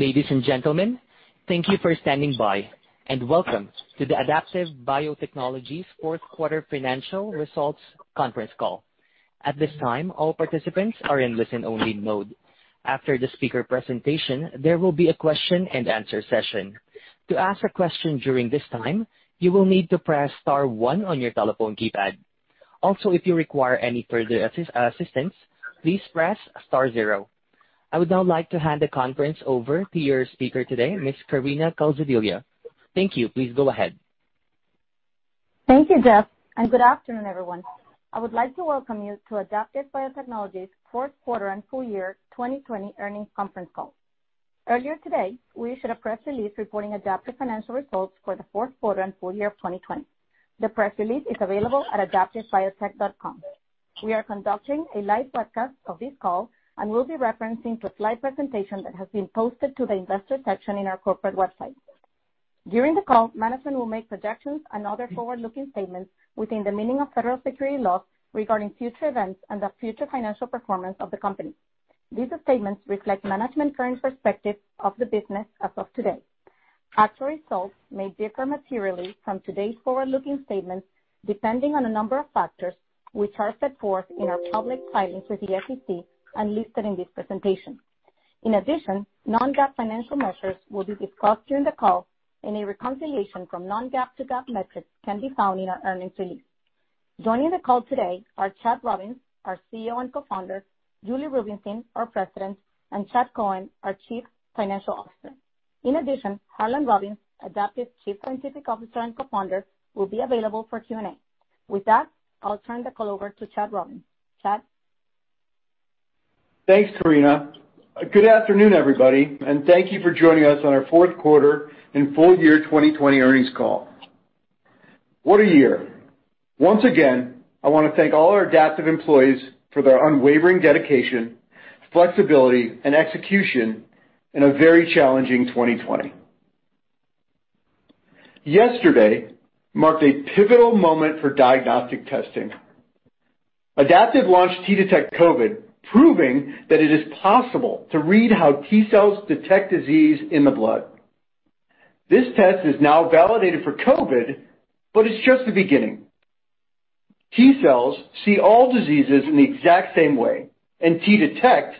Ladies and gentlemen, thank you for standing by, and welcome to the Adaptive Biotechnologies fourth quarter financial results conference call. At this time, all participants are in listen-only mode. After the speaker presentation, there will be a question-and-answer session. To ask a question during this time, you will need to press star one on your telephone keypad. If you a require any further assistance, please press star zero. I would now like to hand the conference over to your speaker today, Ms. Karina Calzadilla. Thank you. Please go ahead. Thank you, Jeff. Good afternoon, everyone. I would like to welcome you to Adaptive Biotechnologies Fourth Quarter and Full Year 2020 Earnings Conference Call. Earlier today, we issued a press release reporting Adaptive financial results for the fourth quarter and full year of 2020. The press release is available at adaptivebiotech.com. We are conducting a live broadcast of this call and will be referencing to a slide presentation that has been posted to the Investor section in our corporate website. During the call, management will make projections and other forward-looking statements within the meaning of federal security laws regarding future events and the future financial performance of the company. These statements reflect management current perspective of the business as of today. Actual results may differ materially from today's forward-looking statements depending on a number of factors, which are set forth in our public filings with the SEC and listed in this presentation. In addition, non-GAAP financial measures will be discussed during the call, and a reconciliation from non-GAAP to GAAP metrics can be found in our earnings release. Joining the call today are Chad Robins, our CEO and Co-founder; Julie Rubinstein, our President; and Chad Cohen, our Chief Financial Officer. In addition, Harlan Robins, Adaptive's Chief Scientific Officer and Co-founder, will be available for Q&A. With that, I'll turn the call over to Chad Robins. Chad? Thanks, Karina. Good afternoon, everybody. Thank you for joining us on our fourth quarter and full year 2020 earnings call. What a year. Once again, I want to thank all our Adaptive employees for their unwavering dedication, flexibility, and execution in a very challenging 2020. Yesterday marked a pivotal moment for diagnostic testing. Adaptive launched T-Detect COVID, proving that it is possible to read how T cells detect disease in the blood. This test is now validated for COVID. It's just the beginning. T cells see all diseases in the exact same way. T-Detect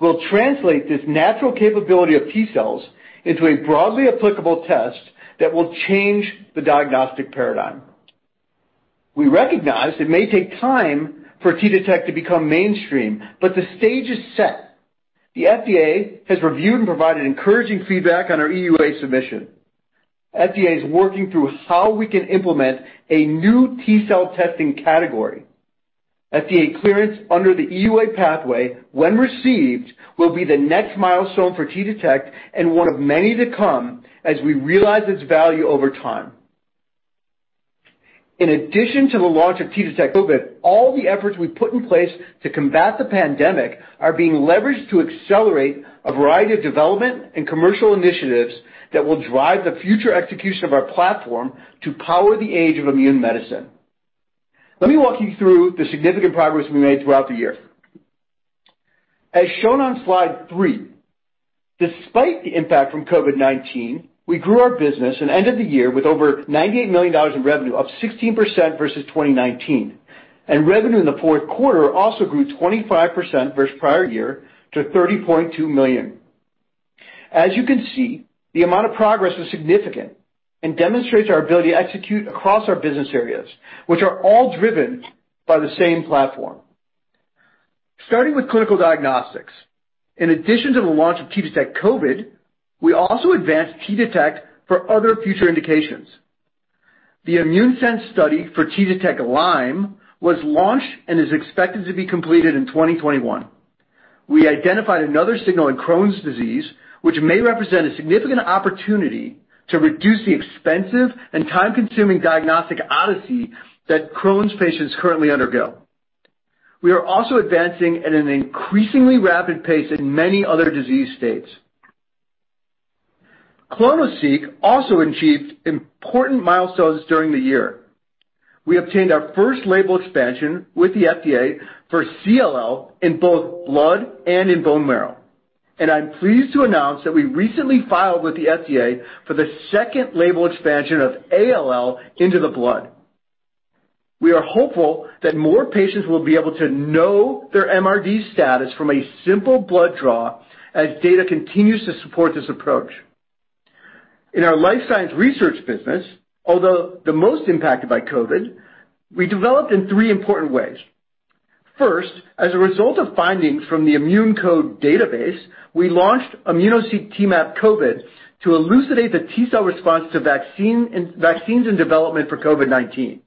will translate this natural capability of T cells into a broadly applicable test that will change the diagnostic paradigm. We recognize it may take time for T-Detect to become mainstream. The stage is set. The FDA has reviewed and provided encouraging feedback on our EUA submission. FDA is working through how we can implement a new T-cell testing category. FDA clearance under the EUA pathway, when received, will be the next milestone for T-Detect and one of many to come as we realize its value over time. In addition to the launch of T-Detect COVID, all the efforts we put in place to combat the pandemic are being leveraged to accelerate a variety of development and commercial initiatives that will drive the future execution of our platform to power the age of immune medicine. Let me walk you through the significant progress we made throughout the year. As shown on slide three, despite the impact from COVID-19, we grew our business and ended the year with over $98 million in revenue, up 16% versus 2019. Revenue in the fourth quarter also grew 25% versus prior year to $30.2 million. As you can see, the amount of progress was significant and demonstrates our ability to execute across our business areas, which are all driven by the same platform. Starting with clinical diagnostics, in addition to the launch of T-Detect COVID, we also advanced T-Detect for other future indications. The ImmuneSense study for T-Detect Lyme was launched and is expected to be completed in 2021. We identified another signal in Crohn's disease, which may represent a significant opportunity to reduce the expensive and time-consuming diagnostic odyssey that Crohn's patients currently undergo. We are also advancing at an increasingly rapid pace in many other disease states. clonoSEQ also achieved important milestones during the year. We obtained our first label expansion with the FDA for CLL in both blood and in bone marrow, and I'm pleased to announce that we recently filed with the FDA for the second label expansion of ALL into the blood. We are hopeful that more patients will be able to know their MRD status from a simple blood draw as data continues to support this approach. In our life science research business, although the most impacted by COVID-19, we developed in three important ways. First, as a result of findings from the ImmuneCODE database, we launched immunoSEQ T-MAP COVID to elucidate the T-cell response to vaccines in development for COVID-19.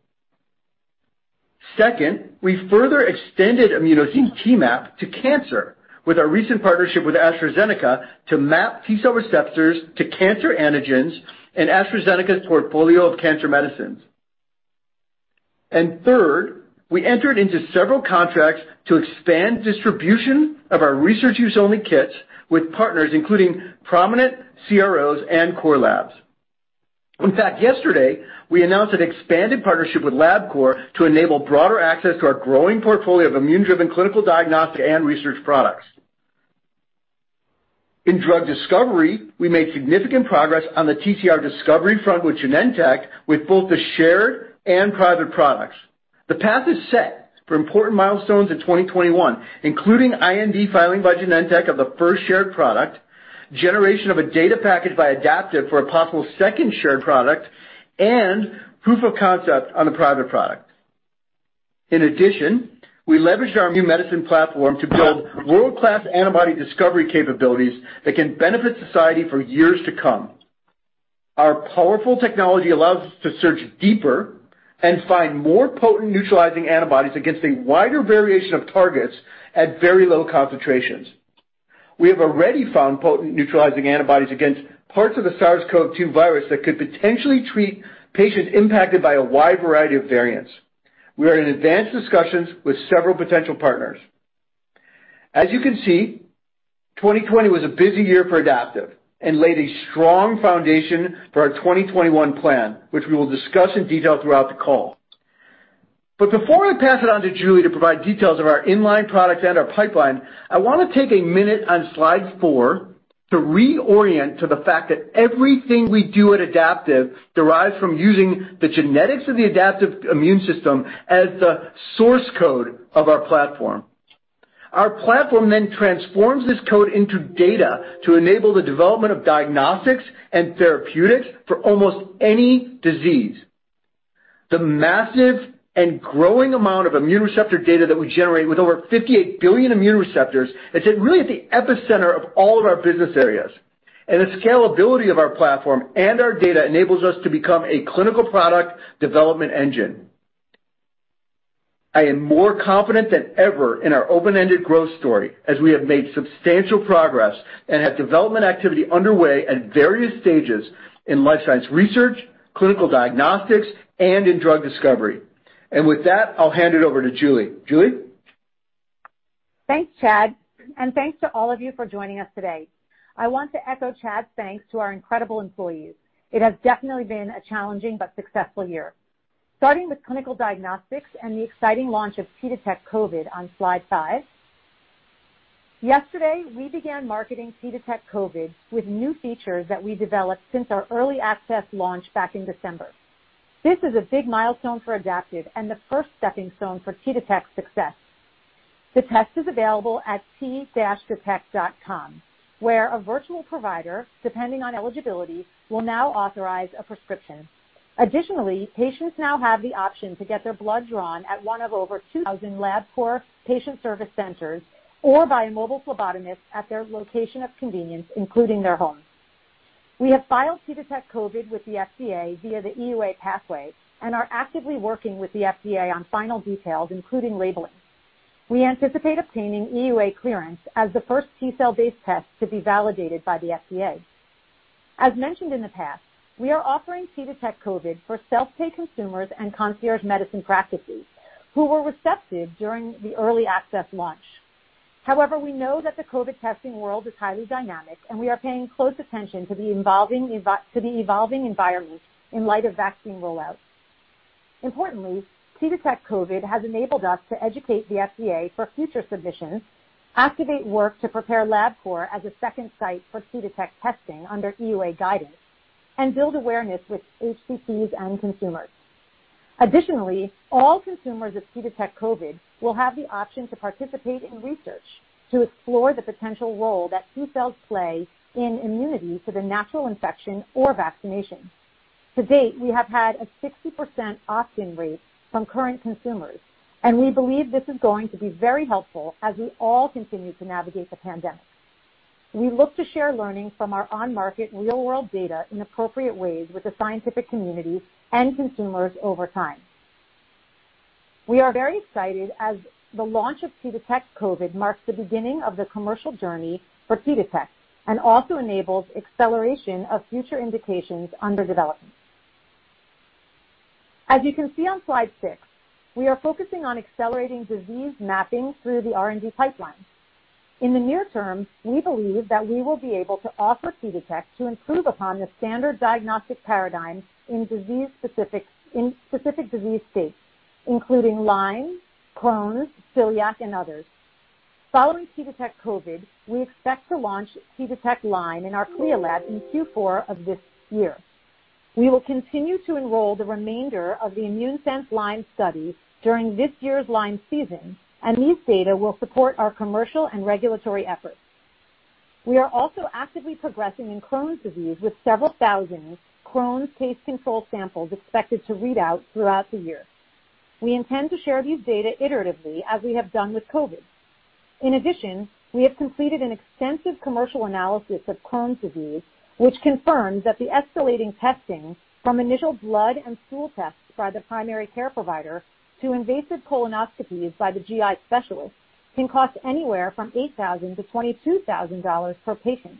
Second, we further extended immunoSEQ T-MAP to cancer with our recent partnership with AstraZeneca to map T-cell receptors to cancer antigens and AstraZeneca's portfolio of cancer medicines. Third, we entered into several contracts to expand distribution of our research-use-only kits with partners including prominent CROs and core labs. In fact, yesterday, we announced an expanded partnership with Labcorp to enable broader access to our growing portfolio of immune-driven clinical diagnostic and research products. In drug discovery, we made significant progress on the TCR discovery front with Genentech with both the shared and private products. The path is set for important milestones in 2021, including IND filing by Genentech of the first shared product, generation of a data package by Adaptive for a possible second shared product, and proof of concept on the private product. In addition, we leveraged our Immune Medicine platform to build world-class antibody discovery capabilities that can benefit society for years to come. Our powerful technology allows us to search deeper and find more potent neutralizing antibodies against a wider variation of targets at very low concentrations. We have already found potent neutralizing antibodies against parts of the SARS-CoV-2 virus that could potentially treat patients impacted by a wide variety of variants. We are in advanced discussions with several potential partners. As you can see, 2020 was a busy year for Adaptive, and laid a strong foundation for our 2021 plan, which we will discuss in detail throughout the call. Before I pass it on to Julie to provide details of our in-line products and our pipeline, I want to take a minute on slide four to reorient to the fact that everything we do at Adaptive derives from using the genetics of the adaptive immune system as the source code of our platform. Our platform then transforms this code into data to enable the development of diagnostics and therapeutics for almost any disease. The massive and growing amount of immune receptor data that we generate with over 58 billion immune receptors is really at the epicenter of all of our business areas, and the scalability of our platform and our data enables us to become a clinical product development engine. I am more confident than ever in our open-ended growth story as we have made substantial progress and have development activity underway at various stages in life science research, clinical diagnostics, and in drug discovery. With that, I'll hand it over to Julie. Julie? Thanks, Chad, and thanks to all of you for joining us today. I want to echo Chad's thanks to our incredible employees. It has definitely been a challenging but successful year. Starting with clinical diagnostics and the exciting launch of T-Detect COVID on slide five. Yesterday, we began marketing T-Detect COVID with new features that we developed since our early access launch back in December. This is a big milestone for Adaptive and the first stepping stone for T-Detect's success. The test is available at t-detect.com, where a virtual provider, depending on eligibility, will now authorize a prescription. Additionally, patients now have the option to get their blood drawn at one of over 2,000 Labcorp patient service centers or by mobile phlebotomists at their location of convenience, including their home. We have filed T-Detect COVID with the FDA via the EUA pathway and are actively working with the FDA on final details, including labeling. We anticipate obtaining EUA clearance as the first T-cell based test to be validated by the FDA. As mentioned in the past, we are offering T-Detect COVID for self-pay consumers and concierge medicine practices who were receptive during the early access launch. However, we know that the COVID testing world is highly dynamic, and we are paying close attention to the evolving environment in light of vaccine rollout. Importantly, T-Detect COVID has enabled us to educate the FDA for future submissions, activate work to prepare Labcorp as a second site for T-Detect testing under EUA guidance, and build awareness with HCPs and consumers. Additionally, all consumers of T-Detect COVID will have the option to participate in research to explore the potential role that T-cells play in immunity to the natural infection or vaccination. To date, we have had a 60% opt-in rate from current consumers, and we believe this is going to be very helpful as we all continue to navigate the pandemic. We look to share learnings from our on-market real-world data in appropriate ways with the scientific community and consumers over time. We are very excited as the launch of T-Detect COVID marks the beginning of the commercial journey for T-Detect and also enables acceleration of future indications under development. As you can see on slide six, we are focusing on accelerating disease mapping through the R&D pipeline. In the near term, we believe that we will be able to offer T-Detect to improve upon the standard diagnostic paradigm in specific disease states, including Lyme, Crohn's, celiac, and others. Following T-Detect COVID, we expect to launch T-Detect Lyme in our CLIA lab in Q4 of this year. We will continue to enroll the remainder of the ImmuneSense Lyme study during this year's Lyme season, and these data will support our commercial and regulatory efforts. We are also actively progressing in Crohn's disease with several thousand Crohn's case control samples expected to read out throughout the year. We intend to share these data iteratively as we have done with COVID. In addition, we have completed an extensive commercial analysis of Crohn's disease, which confirms that the escalating testing from initial blood and stool tests by the primary care provider to invasive colonoscopies by the GI specialist can cost anywhere from $8,000-$22,000 per patient.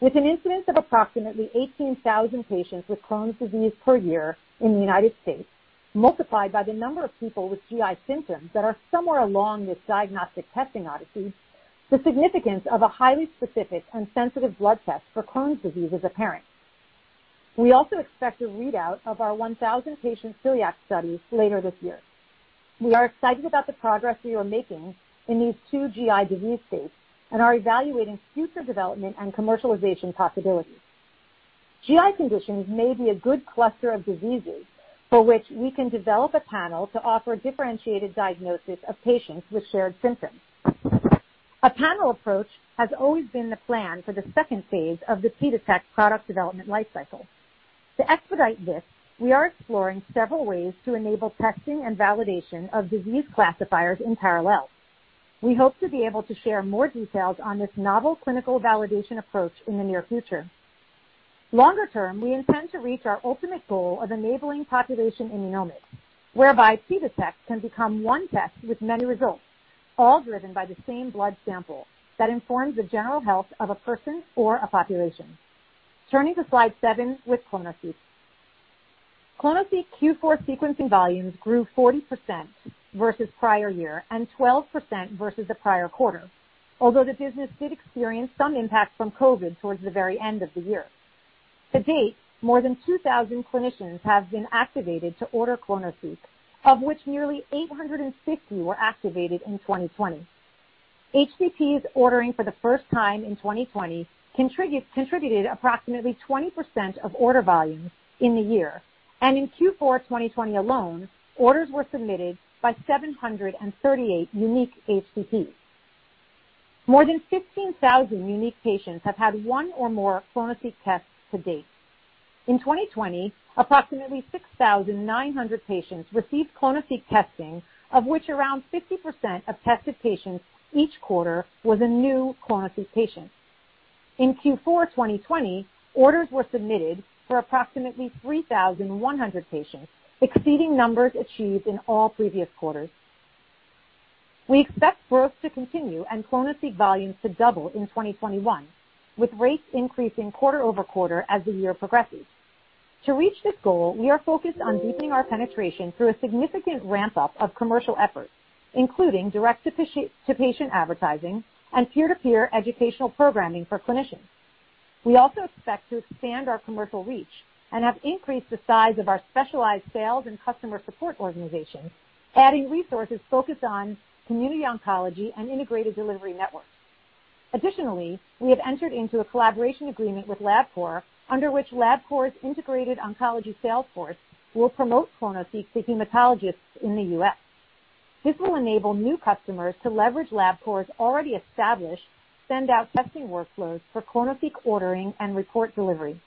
With an incidence of approximately 18,000 patients with Crohn's disease per year in the U.S., multiplied by the number of people with GI symptoms that are somewhere along this diagnostic testing odyssey. The significance of a highly specific and sensitive blood test for Crohn's disease is apparent. We also expect a readout of our 1,000-patient celiac study later this year. We are excited about the progress we are making in these two GI disease states and are evaluating future development and commercialization possibilities. GI conditions may be a good cluster of diseases for which we can develop a panel to offer differentiated diagnosis of patients with shared symptoms. A panel approach has always been the plan for the second phase of the T-Detect product development life cycle. To expedite this, we are exploring several ways to enable testing and validation of disease classifiers in parallel. We hope to be able to share more details on this novel clinical validation approach in the near future. Longer term, we intend to reach our ultimate goal of enabling population immunomics, whereby T-Detect can become one test with many results, all driven by the same blood sample that informs the general health of a person or a population. Turning to slide seven with clonoSEQ. clonoSEQ Q4 sequencing volumes grew 40% versus prior year and 12% versus the prior quarter. Although the business did experience some impact from COVID towards the very end of the year. To date, more than 2,000 clinicians have been activated to order clonoSEQ, of which nearly 860 were activated in 2020. HCPs ordering for the first time in 2020 contributed approximately 20% of order volumes in the year, and in Q4 2020 alone, orders were submitted by 738 unique HCPs. More than 15,000 unique patients have had one or more clonoSEQ tests to date. In 2020, approximately 6,900 patients received clonoSEQ testing, of which around 50% of tested patients each quarter was a new clonoSEQ patient. In Q4 2020, orders were submitted for approximately 3,100 patients, exceeding numbers achieved in all previous quarters. We expect growth to continue and clonoSEQ volumes to double in 2021, with rates increasing quarter-over-quarter as the year progresses. To reach this goal, we are focused on deepening our penetration through a significant ramp-up of commercial efforts, including direct-to-patient advertising and peer-to-peer educational programming for clinicians. We also expect to expand our commercial reach and have increased the size of our specialized sales and customer support organization, adding resources focused on community oncology and integrated delivery networks. Additionally, we have entered into a collaboration agreement with Labcorp, under which Labcorp's integrated oncology sales force will promote clonoSEQ to hematologists in the U.S. This will enable new customers to leverage Labcorp's already established send out testing workflows for clonoSEQ ordering and report delivery.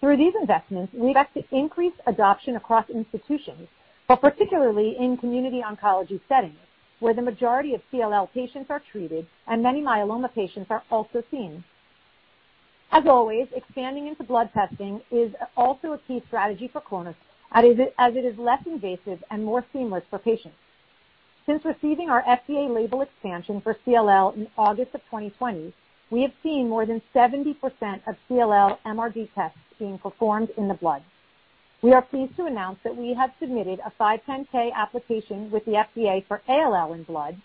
Through these investments, we expect to increase adoption across institutions, but particularly in community oncology settings, where the majority of CLL patients are treated and many myeloma patients are also seen. As always, expanding into blood testing is also a key strategy for clonoSEQ, as it is less invasive and more seamless for patients. Since receiving our FDA label expansion for CLL in August of 2020, we have seen more than 70% of CLL MRD tests being performed in the blood. We are pleased to announce that we have submitted a 510(k) application with the FDA for ALL in blood,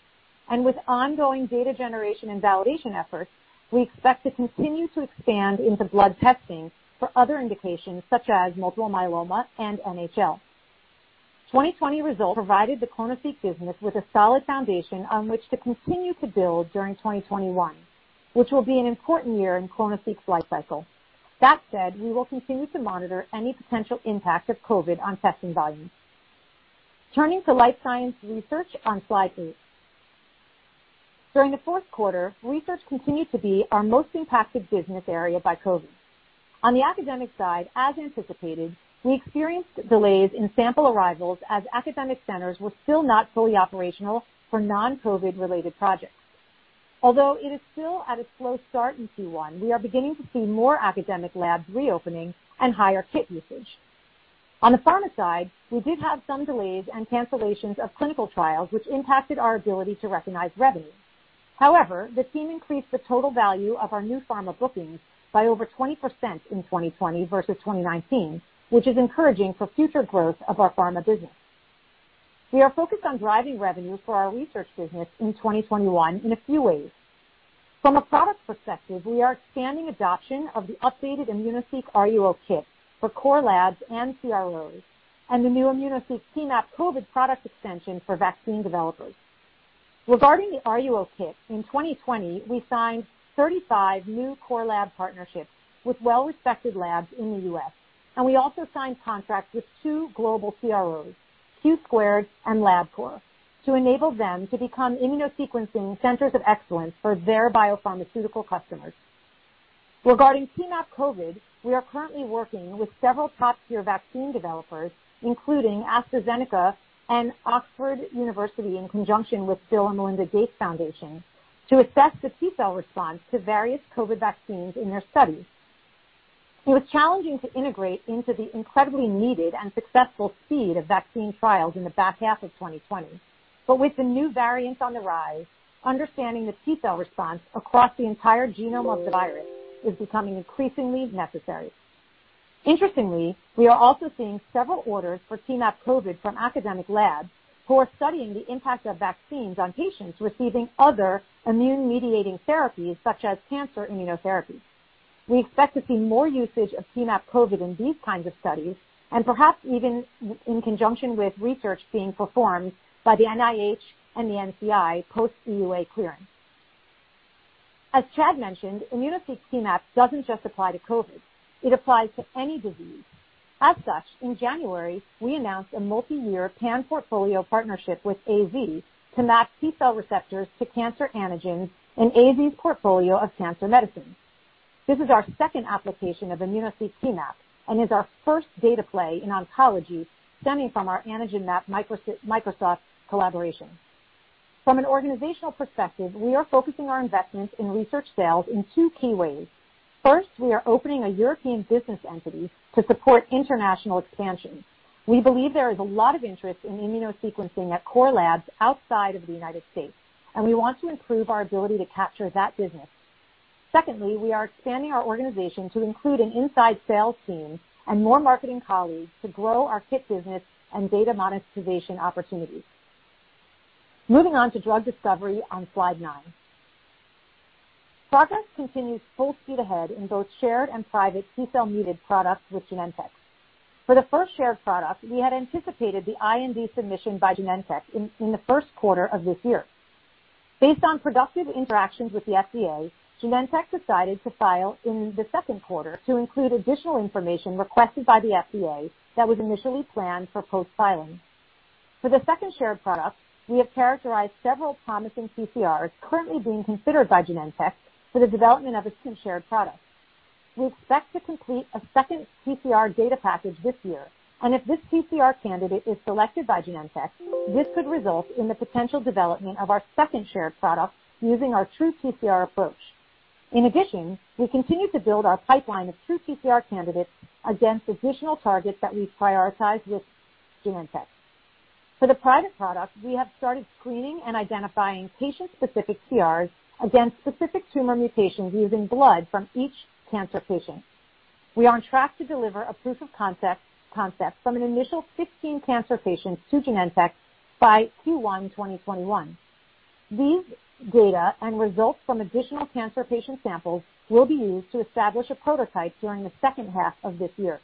and with ongoing data generation and validation efforts, we expect to continue to expand into blood testing for other indications such as multiple myeloma and NHL. 2020 results provided the clonoSEQ business with a solid foundation on which to continue to build during 2021, which will be an important year in clonoSEQ's life cycle. That said, we will continue to monitor any potential impact of COVID on testing volumes. Turning to life science research on slide eight. During the fourth quarter, research continued to be our most impacted business area by COVID. On the academic side, as anticipated, we experienced delays in sample arrivals as academic centers were still not fully operational for non-COVID-related projects. Although it is still at a slow start in Q1, we are beginning to see more academic labs reopening and higher kit usage. On the pharma side, we did have some delays and cancellations of clinical trials, which impacted our ability to recognize revenue. The team increased the total value of our new pharma bookings by over 20% in 2020 versus 2019, which is encouraging for future growth of our pharma business. We are focused on driving revenue for our research business in 2021 in a few ways. From a product perspective, we are expanding adoption of the updated immunoSEQ RUO Kit for core labs and CROs, and the new immunoSEQ T-MAP COVID product extension for vaccine developers. Regarding the RUO Kit, in 2020, we signed 35 new core lab partnerships with well-respected labs in the U.S. We also signed contracts with two global CROs, Q2 and Labcorp, to enable them to become immunosequencing centers of excellence for their biopharmaceutical customers. Regarding T-MAP COVID, we are currently working with several top-tier vaccine developers, including AstraZeneca and Oxford University, in conjunction with Bill & Melinda Gates Foundation, to assess the T-cell response to various COVID vaccines in their studies. It was challenging to integrate into the incredibly needed and successful speed of vaccine trials in the back half of 2020, with the new variants on the rise, understanding the T-cell response across the entire genome of the virus is becoming increasingly necessary. Interestingly, we are also seeing several orders for T-MAP COVID from academic labs who are studying the impact of vaccines on patients receiving other immune-mediating therapies, such as cancer immunotherapy. We expect to see more usage of T-MAP COVID in these kinds of studies, and perhaps even in conjunction with research being performed by the NIH and the NCI post EUA clearance. As Chad mentioned, immunoSEQ T-MAP doesn't just apply to COVID. It applies to any disease. As such, in January, we announced a multi-year pan-portfolio partnership with AZ to map T-cell receptors to cancer antigens in AZ portfolio of cancer medicines. This is our second application of immunoSEQ T-MAP and is our first data play in oncology stemming from our antigen map Microsoft collaboration. From an organizational perspective, we are focusing our investments in research sales in two key ways. First, we are opening a European business entity to support international expansion. We believe there is a lot of interest in immunosequencing at core labs outside of the U.S., and we want to improve our ability to capture that business. Secondly, we are expanding our organization to include an inside sales team and more marketing colleagues to grow our kit business and data monetization opportunities. Moving on to drug discovery on slide nine. Progress continues full speed ahead in both shared and private T-cell-mediated products with Genentech. For the first shared product, we had anticipated the IND submission by Genentech in the first quarter of this year. Based on productive interactions with the FDA, Genentech decided to file in the second quarter to include additional information requested by the FDA that was initially planned for post-filing. For the second shared product, we have characterized several promising TCRs currently being considered by Genentech for the development of its two shared products. We expect to complete a second TCR data package this year, and if this TCR candidate is selected by Genentech, this could result in the potential development of our second shared product using our TruTCR approach. In addition, we continue to build our pipeline of TruTCR candidates against additional targets that we've prioritized with Genentech. For the private product, we have started screening and identifying patient-specific TCRs against specific tumor mutations using blood from each cancer patient. We are on track to deliver a proof of concept from an initial 15 cancer patients to Genentech by Q1 2021. These data and results from additional cancer patient samples will be used to establish a prototype during the second half of this year.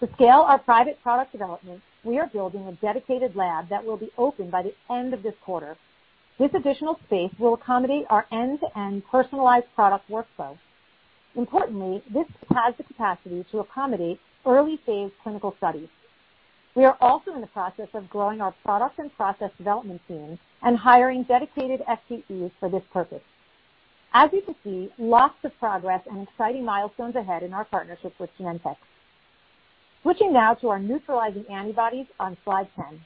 To scale our private product development, we are building a dedicated lab that will be open by the end of this quarter. This additional space will accommodate our end-to-end personalized product workflow. Importantly, this has the capacity to accommodate early-phase clinical studies. We are also in the process of growing our product and process development team and hiring dedicated FTEs for this purpose. As you can see, lots of progress and exciting milestones ahead in our partnership with Genentech. Switching now to our neutralizing antibodies on slide 10.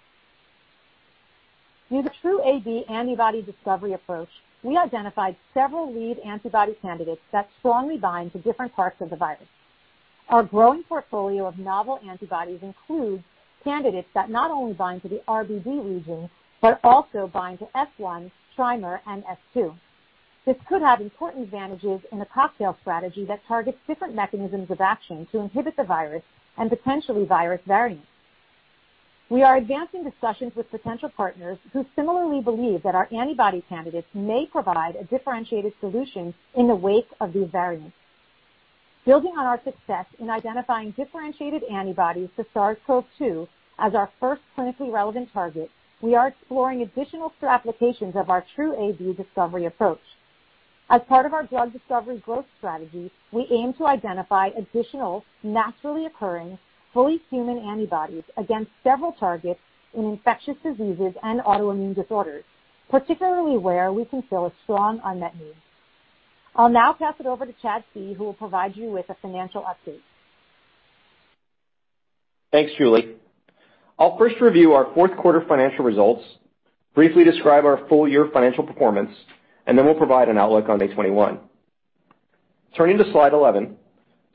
With the TruAB antibody discovery approach, we identified several lead antibody candidates that strongly bind to different parts of the virus. Our growing portfolio of novel antibodies includes candidates that not only bind to the RBD region, but also bind to S1, trimer, and S2. This could have important advantages in a cocktail strategy that targets different mechanisms of action to inhibit the virus and potentially virus variants. We are advancing discussions with potential partners who similarly believe that our antibody candidates may provide a differentiated solution in the wake of these variants. Building on our success in identifying differentiated antibodies to SARS-CoV-2 as our first clinically relevant target, we are exploring additional applications of our TruAB discovery approach. As part of our drug discovery growth strategy, we aim to identify additional naturally occurring, fully human antibodies against several targets in infectious diseases and autoimmune disorders, particularly where we can fill a strong unmet need. I'll now pass it over to Chad C., who will provide you with a financial update. Thanks, Julie. I'll first review our fourth quarter financial results, briefly describe our full year financial performance, then we'll provide an outlook on 2021. Turning to slide 11,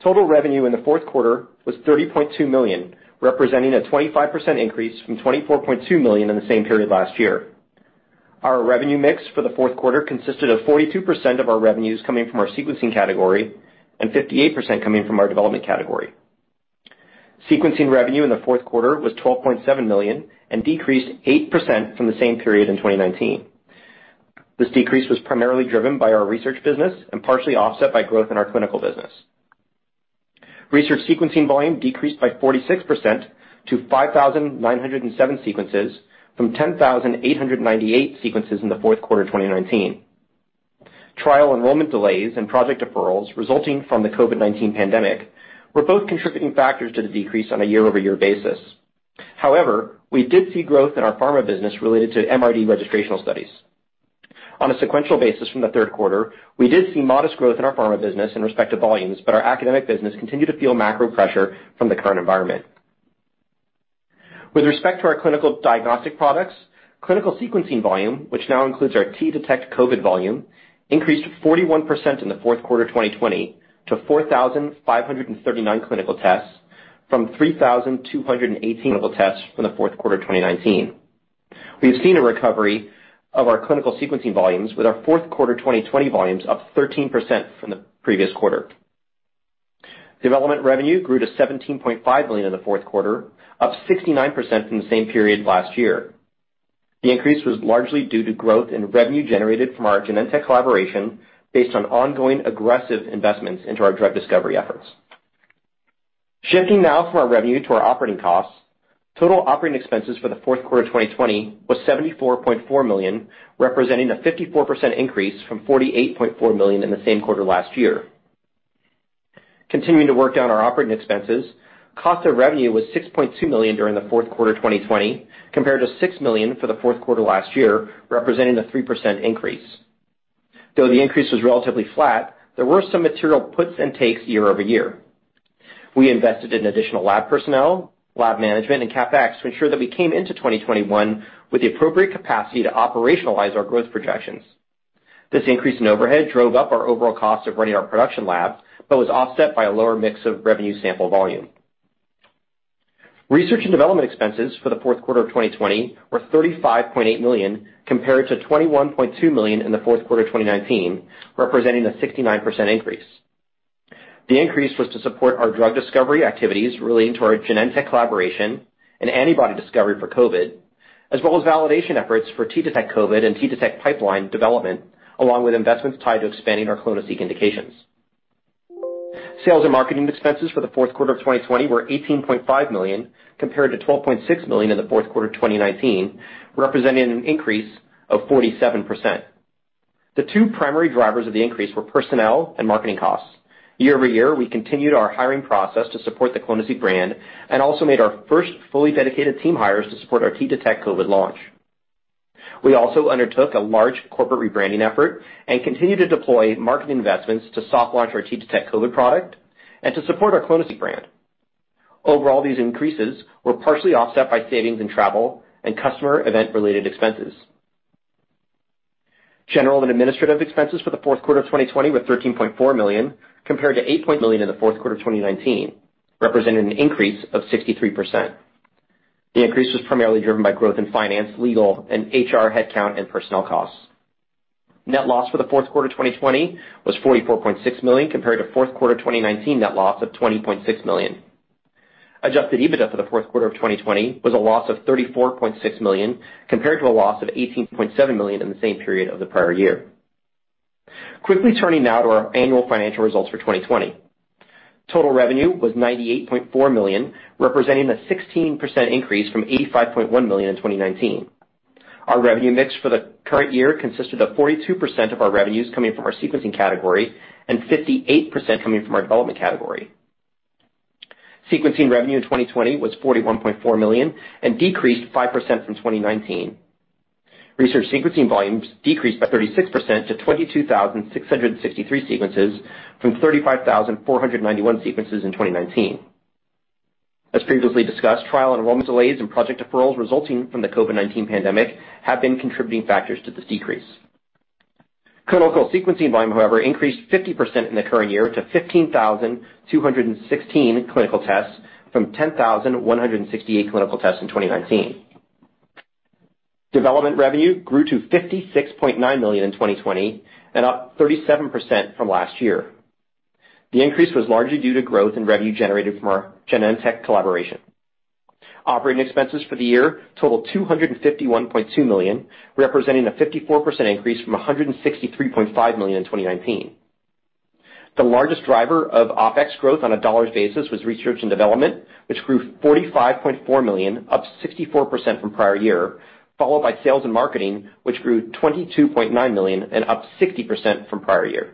total revenue in the fourth quarter was $30.2 million, representing a 25% increase from $24.2 million in the same period last year. Our revenue mix for the fourth quarter consisted of 42% of our revenues coming from our sequencing category and 58% coming from our development category. Sequencing revenue in the fourth quarter was $12.7 million and decreased 8% from the same period in 2019. This decrease was primarily driven by our research business and partially offset by growth in our clinical business. Research sequencing volume decreased by 46% to 5,907 sequences from 10,898 sequences in the fourth quarter of 2019. Trial enrollment delays and project deferrals resulting from the COVID-19 pandemic were both contributing factors to the decrease on a year-over-year basis. We did see growth in our pharma business related to MRD registrational studies. On a sequential basis from the third quarter, we did see modest growth in our pharma business in respect to volumes, our academic business continued to feel macro pressure from the current environment. With respect to our clinical diagnostic products, clinical sequencing volume, which now includes our T-Detect COVID volume, increased 41% in the fourth quarter 2020 to 4,539 clinical tests from 3,218 clinical tests from the fourth quarter of 2019. We have seen a recovery of our clinical sequencing volumes with our fourth quarter 2020 volumes up 13% from the previous quarter. Development revenue grew to $17.5 million in the fourth quarter, up 69% from the same period last year. The increase was largely due to growth in revenue generated from our Genentech collaboration based on ongoing aggressive investments into our drug discovery efforts. Shifting now from our revenue to our operating costs. Total operating expenses for the fourth quarter 2020 was $74.4 million, representing a 54% increase from $48.4 million in the same quarter last year. Continuing to work down our operating expenses, cost of revenue was $6.2 million during the fourth quarter 2020, compared to $6 million for the fourth quarter last year, representing a 3% increase. Though the increase was relatively flat, there were some material puts and takes year-over-year. We invested in additional lab personnel, lab management, and CapEx to ensure that we came into 2021 with the appropriate capacity to operationalize our growth projections. This increase in overhead drove up our overall cost of running our production labs, but was offset by a lower mix of revenue sample volume. Research and development expenses for the fourth quarter of 2020 were $35.8 million, compared to $21.2 million in the fourth quarter of 2019, representing a 69% increase. The increase was to support our drug discovery activities relating to our Genentech collaboration and antibody discovery for COVID, as well as validation efforts for T-Detect COVID and T-Detect pipeline development, along with investments tied to expanding our clonoSEQ indications. Sales and marketing expenses for the fourth quarter of 2020 were $18.5 million, compared to $12.6 million in the fourth quarter of 2019, representing an increase of 47%. The two primary drivers of the increase were personnel and marketing costs. Year-over-year, we continued our hiring process to support the clonoSEQ brand and also made our first fully dedicated team hires to support our T-Detect COVID launch. We also undertook a large corporate rebranding effort and continued to deploy marketing investments to soft launch our T-Detect COVID product and to support our clonoSEQ brand. Overall, these increases were partially offset by savings in travel and customer event-related expenses. General and administrative expenses for the fourth quarter 2020 were $13.4 million, compared to $8 million in the fourth quarter 2019, representing an increase of 63%. The increase was primarily driven by growth in finance, legal, and HR head count and personnel costs. Net loss for the fourth quarter 2020 was $44.6 million, compared to fourth quarter 2019 net loss of $20.6 million. Adjusted EBITDA for the fourth quarter of 2020 was a loss of $34.6 million, compared to a loss of $18.7 million in the same period of the prior year. Quickly turning now to our annual financial results for 2020. Total revenue was $98.4 million, representing a 16% increase from $85.1 million in 2019. Our revenue mix for the current year consisted of 42% of our revenues coming from our sequencing category and 58% coming from our development category. Sequencing revenue in 2020 was $41.4 million and decreased 5% from 2019. Research sequencing volumes decreased by 36% to 22,663 sequences from 35,491 sequences in 2019. As previously discussed, trial enrollments delays and project deferrals resulting from the COVID-19 pandemic have been contributing factors to this decrease. Clinical sequencing volume, however, increased 50% in the current year to 15,216 clinical tests from 10,168 clinical tests in 2019. Development revenue grew to $56.9 million in 2020 up 37% from last year. The increase was largely due to growth in revenue generated from our Genentech collaboration. Operating expenses for the year totaled $251.2 million, representing a 54% increase from $163.5 million in 2019. The largest driver of OpEx growth on a dollar basis was research and development, which grew $45.4 million, up 64% from prior year, followed by sales and marketing, which grew $22.9 million and up 60% from prior year.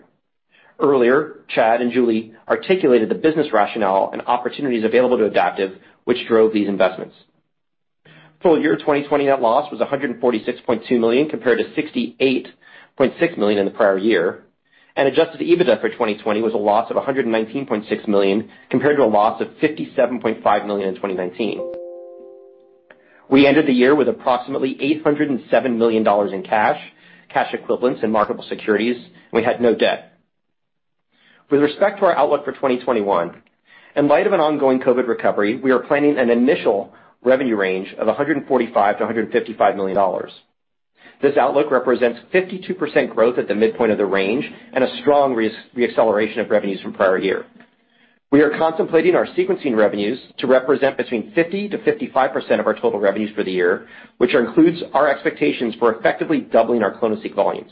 Earlier, Chad and Julie articulated the business rationale and opportunities available to Adaptive, which drove these investments. Full year 2020 net loss was $146.2 million compared to $68.6 million in the prior year. Adjusted EBITDA for 2020 was a loss of $119.6 million compared to a loss of $57.5 million in 2019. We ended the year with approximately $807 million in cash equivalents, and marketable securities. We had no debt. With respect to our outlook for 2021, in light of an ongoing COVID recovery, we are planning an initial revenue range of $145 million-$155 million. This outlook represents 52% growth at the midpoint of the range. A strong re-acceleration of revenues from prior year. We are contemplating our sequencing revenues to represent between 50%-55% of our total revenues for the year, which includes our expectations for effectively doubling our clonoSEQ volumes.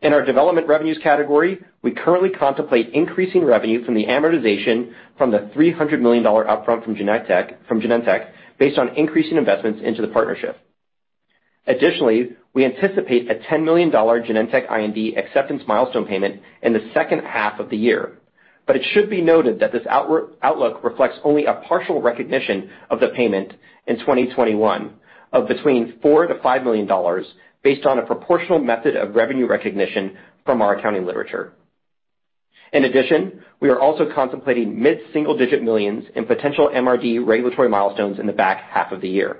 In our development revenues category, we currently contemplate increasing revenue from the amortization from the $300 million upfront from Genentech based on increasing investments into the partnership. We anticipate a $10 million Genentech IND acceptance milestone payment in the second half of the year. It should be noted that this outlook reflects only a partial recognition of the payment in 2021 of between $4 million-$5 million based on a proportional method of revenue recognition from our accounting literature. In addition, we are also contemplating mid-single-digit millions in potential MRD regulatory milestones in the back half of the year.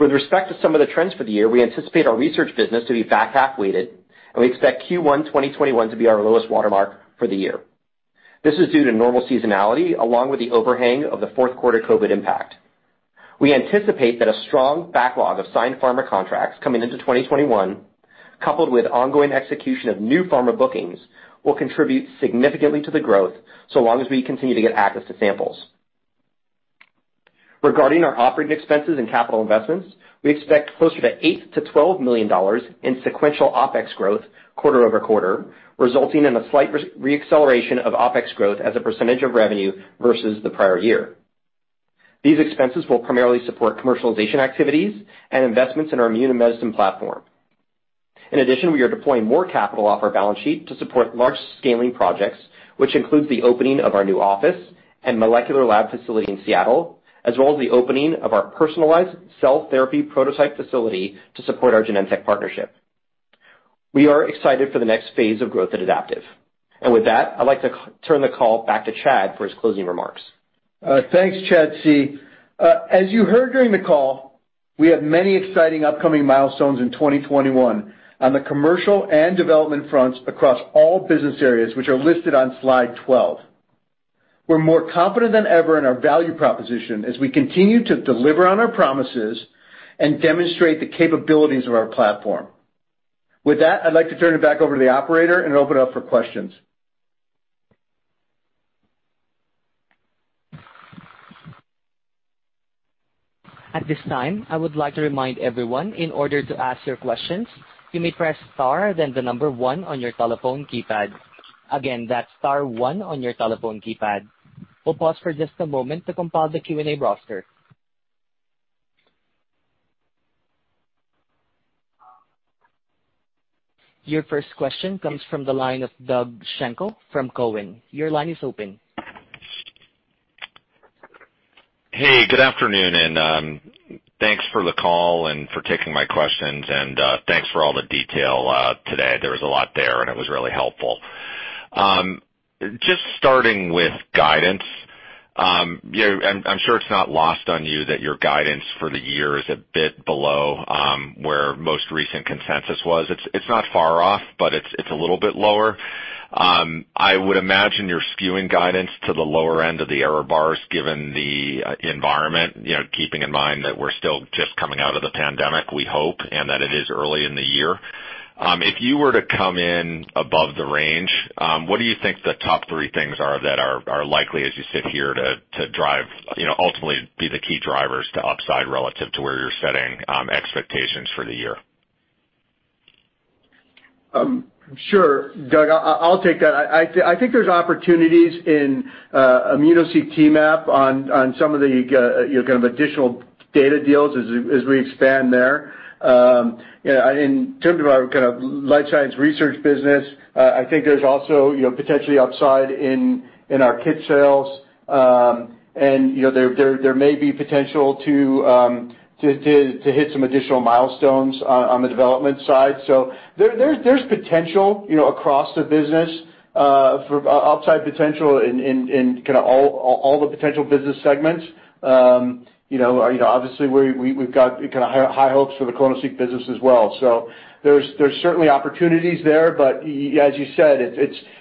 With respect to some of the trends for the year, we anticipate our research business to be back half weighted, and we expect Q1 2021 to be our lowest watermark for the year. This is due to normal seasonality, along with the overhang of the fourth quarter COVID impact. We anticipate that a strong backlog of signed pharma contracts coming into 2021, coupled with ongoing execution of new pharma bookings, will contribute significantly to the growth so long as we continue to get access to samples. Regarding our operating expenses and capital investments, we expect closer to $8 million-$12 million in sequential OpEx growth quarter-over-quarter, resulting in a slight re-acceleration of OpEx growth as a percentage of revenue versus the prior year. These expenses will primarily support commercialization activities and investments in our Immune Medicine platform. We are deploying more capital off our balance sheet to support large scaling projects, which includes the opening of our new office and molecular lab facility in Seattle, as well as the opening of our personalized cell therapy prototype facility to support our Genentech partnership. We are excited for the next phase of growth at Adaptive. With that, I'd like to turn the call back to Chad for his closing remarks. Thanks, Chad C. As you heard during the call, we have many exciting upcoming milestones in 2021 on the commercial and development fronts across all business areas, which are listed on slide 12. We're more confident than ever in our value proposition as we continue to deliver on our promises and demonstrate the capabilities of our platform. With that, I'd like to turn it back over to the operator and open up for questions. At this time, I would like to remind everyone, in order to ask your questions, you may press star then the number one on your telephone keypad. Again, that's star one on your telephone keypad. We'll pause for just a moment to compile the Q&A roster. Your first question comes from the line of Doug Schenkel from Cowen. Your line is open. Hey, good afternoon, and thanks for the call and for taking my questions. Thanks for all the detail today. There was a lot there, and it was really helpful. Just starting with guidance. I'm sure it's not lost on you that your guidance for the year is a bit below, where most recent consensus was. It's not far off, but it's a little bit lower. I would imagine you're skewing guidance to the lower end of the error bars given the environment, keeping in mind that we're still just coming out of the pandemic, we hope, and that it is early in the year. If you were to come in above the range, what do you think the top three things are that are likely as you sit here to ultimately be the key drivers to upside relative to where you're setting expectations for the year? Sure, Doug. I'll take that. I think there's opportunities in immunoSEQ T-MAP on some of the additional data deals as we expand there. In terms of our life science research business, I think there's also potentially upside in our kit sales. There may be potential to hit some additional milestones on the development side. There's potential across the business for upside potential in all the potential business segments. Obviously, we've got high hopes for the clonoSEQ business as well. There's certainly opportunities there, but as you said,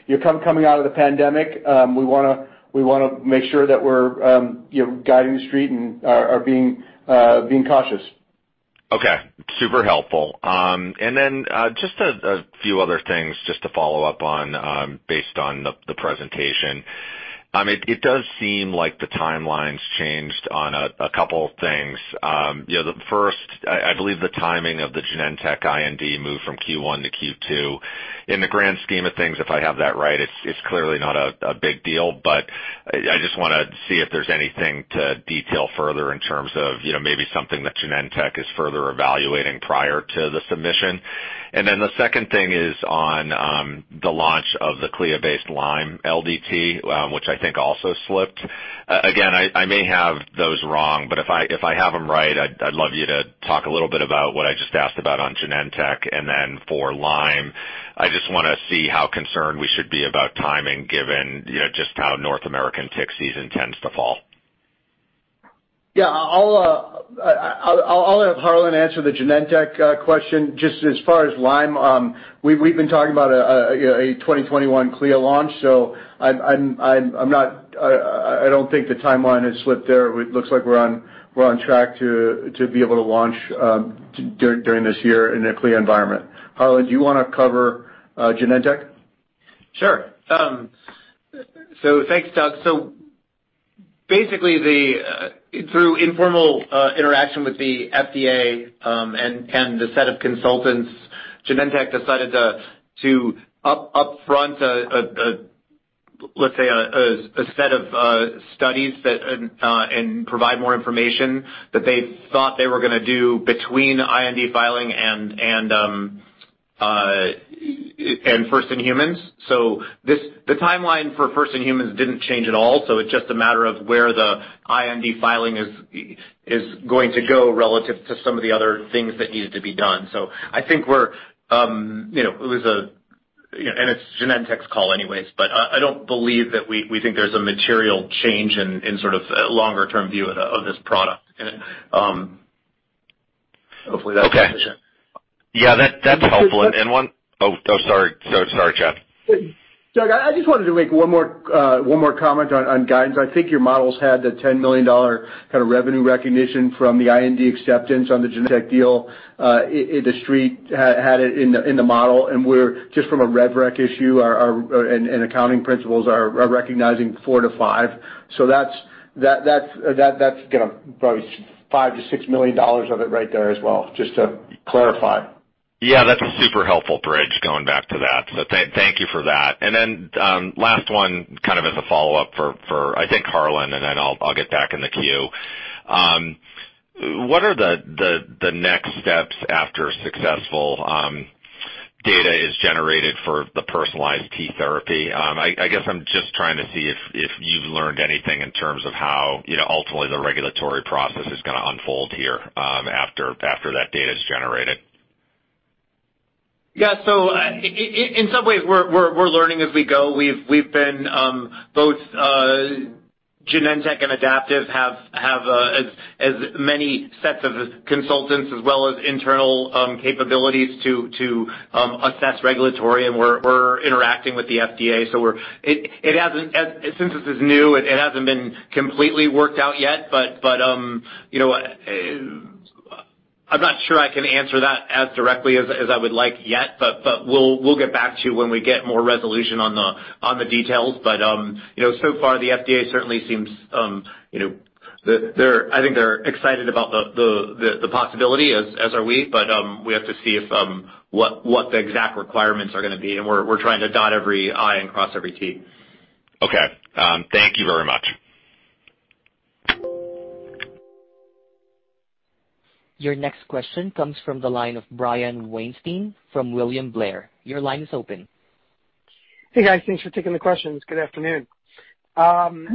you're coming out of the pandemic. We want to make sure that we're guiding the Street and are being cautious. Okay. Super helpful. Just a few other things just to follow up on based on the presentation. It does seem like the timeline's changed on a couple things. The first, I believe the timing of the Genentech IND moved from Q1 to Q2. In the grand scheme of things, if I have that right, it's clearly not a big deal, but I just want to see if there's anything to detail further in terms of maybe something that Genentech is further evaluating prior to the submission? The second thing is on the launch of the CLIA-based Lyme LDT, which I think also slipped. Again, I may have those wrong, but if I have them right, I'd love you to talk a little bit about what I just asked about on Genentech? Then for Lyme, I just want to see how concerned we should be about timing given just how North American tick season tends to fall? Yeah. I'll have Harlan answer the Genentech question. Just as far as Lyme, we've been talking about a 2021 CLIA launch, I don't think the timeline has slipped there. It looks like we're on track to be able to launch during this year in a CLIA environment. Harlan, do you want to cover Genentech? Sure. Thanks, Doug. Basically through informal interaction with the FDA and the set of consultants, Genentech decided to upfront, let's say, a set of studies and provide more information that they thought they were going to do between IND filing and first in humans. The timeline for first in humans didn't change at all. It's just a matter of where the IND filing is going to go relative to some of the other things that needed to be done. It's Genentech's call anyways, but I don't believe that we think there's a material change in sort of a longer-term view of this product. Hopefully that's sufficient. Okay. Yeah. That's helpful. Oh, sorry, Chad. Doug, I just wanted to make one more comment on guidance. I think your models had the $10 million revenue recognition from the IND acceptance on the Genentech deal. The Street had it in the model, just from a rev rec issue and accounting principles are recognizing $4 million-$5 million. That's going to probably be $5 million-$6 million of it right there as well, just to clarify. Yeah, that's super helpful bridge going back to that. Thank you for that. Last one, kind of as a follow-up for I think Harlan, then I'll get back in the queue. What are the next steps after successful data is generated for the personalized T therapy? I guess I'm just trying to see if you've learned anything in terms of how ultimately the regulatory process is going to unfold here after that data's generated. Yeah. We're learning as we go. Both Genentech and Adaptive have as many sets of consultants as well as internal capabilities to assess regulatory, and we're interacting with the FDA. Since this is new, it hasn't been completely worked out yet. I'm not sure I can answer that as directly as I would like yet, but we'll get back to you when we get more resolution on the details. So far the FDA certainly seems, I think they're excited about the possibility, as are we. We have to see what the exact requirements are going to be, and we're trying to dot every I and cross every T. Okay. Thank you very much. Your next question comes from the line of Brian Weinstein from William Blair. Your line is open. Hey, guys. Thanks for taking the questions. Good afternoon. On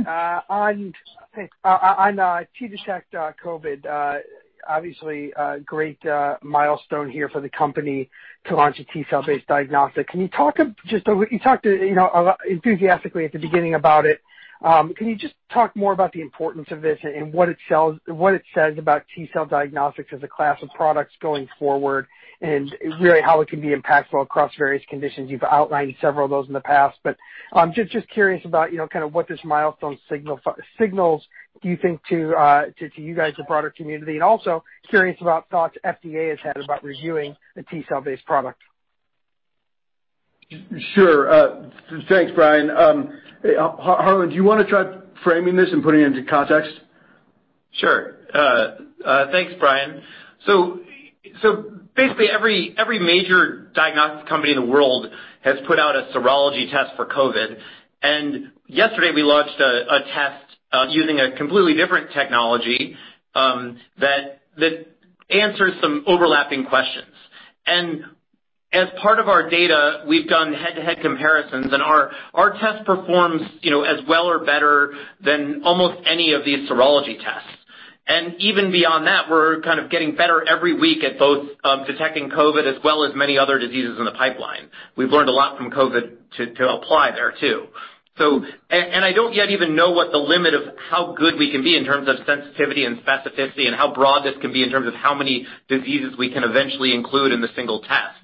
T-Detect COVID, obviously, great milestone here for the company to launch a T-cell based diagnostic. You talked enthusiastically at the beginning about it. Can you just talk more about the importance of this and what it says about T-cell diagnostics as a class of products going forward, and really how it can be impactful across various conditions? You've outlined several of those in the past. Just curious about what this milestone signals, do you think, to you guys, the broader community? Also, curious about thoughts FDA has had about reviewing a T-cell-based product? Sure. Thanks, Brian. Harlan, do you want to try framing this and putting it into context? Sure. Thanks, Brian. Basically, every major diagnostic company in the world has put out a serology test for COVID. Yesterday we launched a test using a completely different technology that answers some overlapping questions. As part of our data, we've done head-to-head comparisons. Our test performs as well or better than almost any of these serology tests. Even beyond that, we're kind of getting better every week at both detecting COVID as well as many other diseases in the pipeline. We've learned a lot from COVID to apply there too. I don't yet even know what the limit of how good we can be in terms of sensitivity and specificity and how broad this can be in terms of how many diseases we can eventually include in the single test.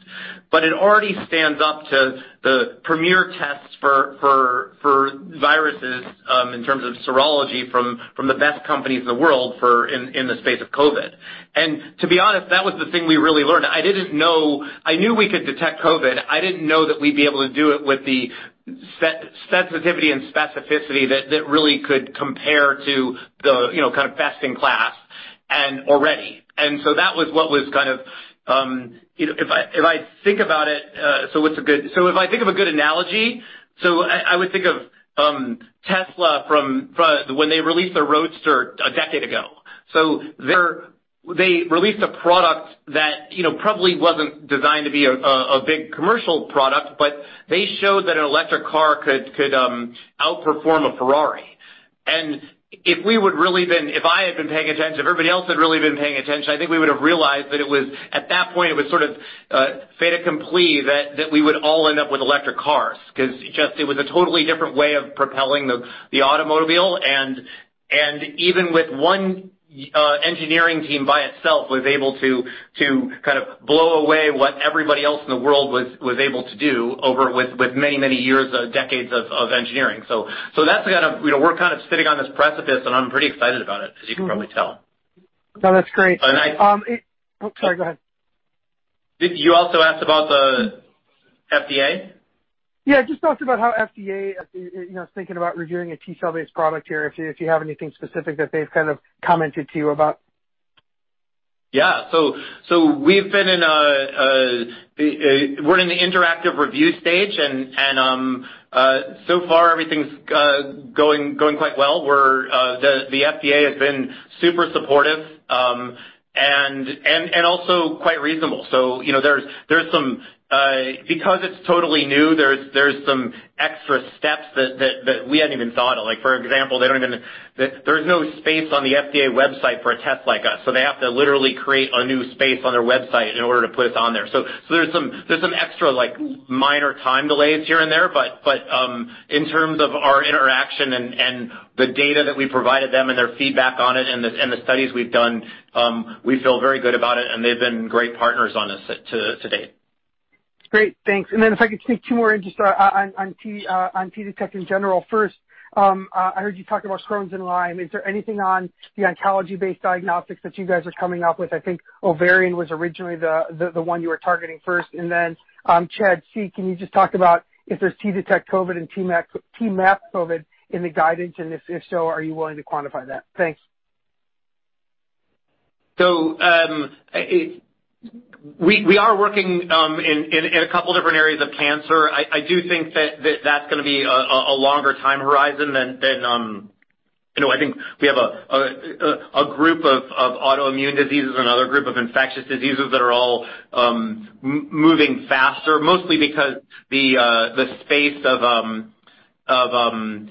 It already stands up to the premier tests for viruses, in terms of serology, from the best companies in the world in the space of COVID. To be honest, that was the thing we really learned. I knew we could detect COVID. I didn't know that we'd be able to do it with the sensitivity and specificity that really could compare to the best in class already. If I think about it, if I think of a good analogy, I would think of Tesla from when they released their Roadster a decade ago. They released a product that probably wasn't designed to be a big commercial product, but they showed that an electric car could outperform a Ferrari. If I had been paying attention, if everybody else had really been paying attention, I think we would've realized that at that point, it was sort of fait accompli that we would all end up with electric cars, because it was a totally different way of propelling the automobile. Even with one engineering team by itself was able to kind of blow away what everybody else in the world was able to do with many, many years, decades of engineering. We're kind of sitting on this precipice. I'm pretty excited about it, as you can probably tell. No, that's great. And I- Oh, sorry. Go ahead. Did you also ask about the FDA? Yeah, just thoughts about how FDA is thinking about reviewing a T-cell based product here, if you have anything specific that they've kind of commented to you about? Yeah. We're in the interactive review stage, and so far everything's going quite well. The FDA has been super supportive, and also quite reasonable. Because it's totally new, there's some extra steps that we hadn't even thought of. For example, there's no space on the FDA website for a test like us, so they have to literally create a new space on their website in order to put us on there. There's some extra minor time delays here and there, but in terms of our interaction and the data that we provided them and their feedback on it and the studies we've done, we feel very good about it. They've been great partners on this to date. Great. Thanks. Then if I could sneak two more in just on T-Detect in general. First, I heard you talk about Crohn's and Lyme. Is there anything on the oncology-based diagnostics that you guys are coming up with? I think ovarian was originally the one you were targeting first. Then, Chad C., can you just talk about if there's T-Detect COVID and T-MAP COVID in the guidance? If so, are you willing to quantify that? Thanks. We are working in a couple of different areas of cancer. I do think that that's going to be a longer time horizon. I think we have a group of autoimmune diseases and another group of infectious diseases that are all moving faster, mostly because the space of antigens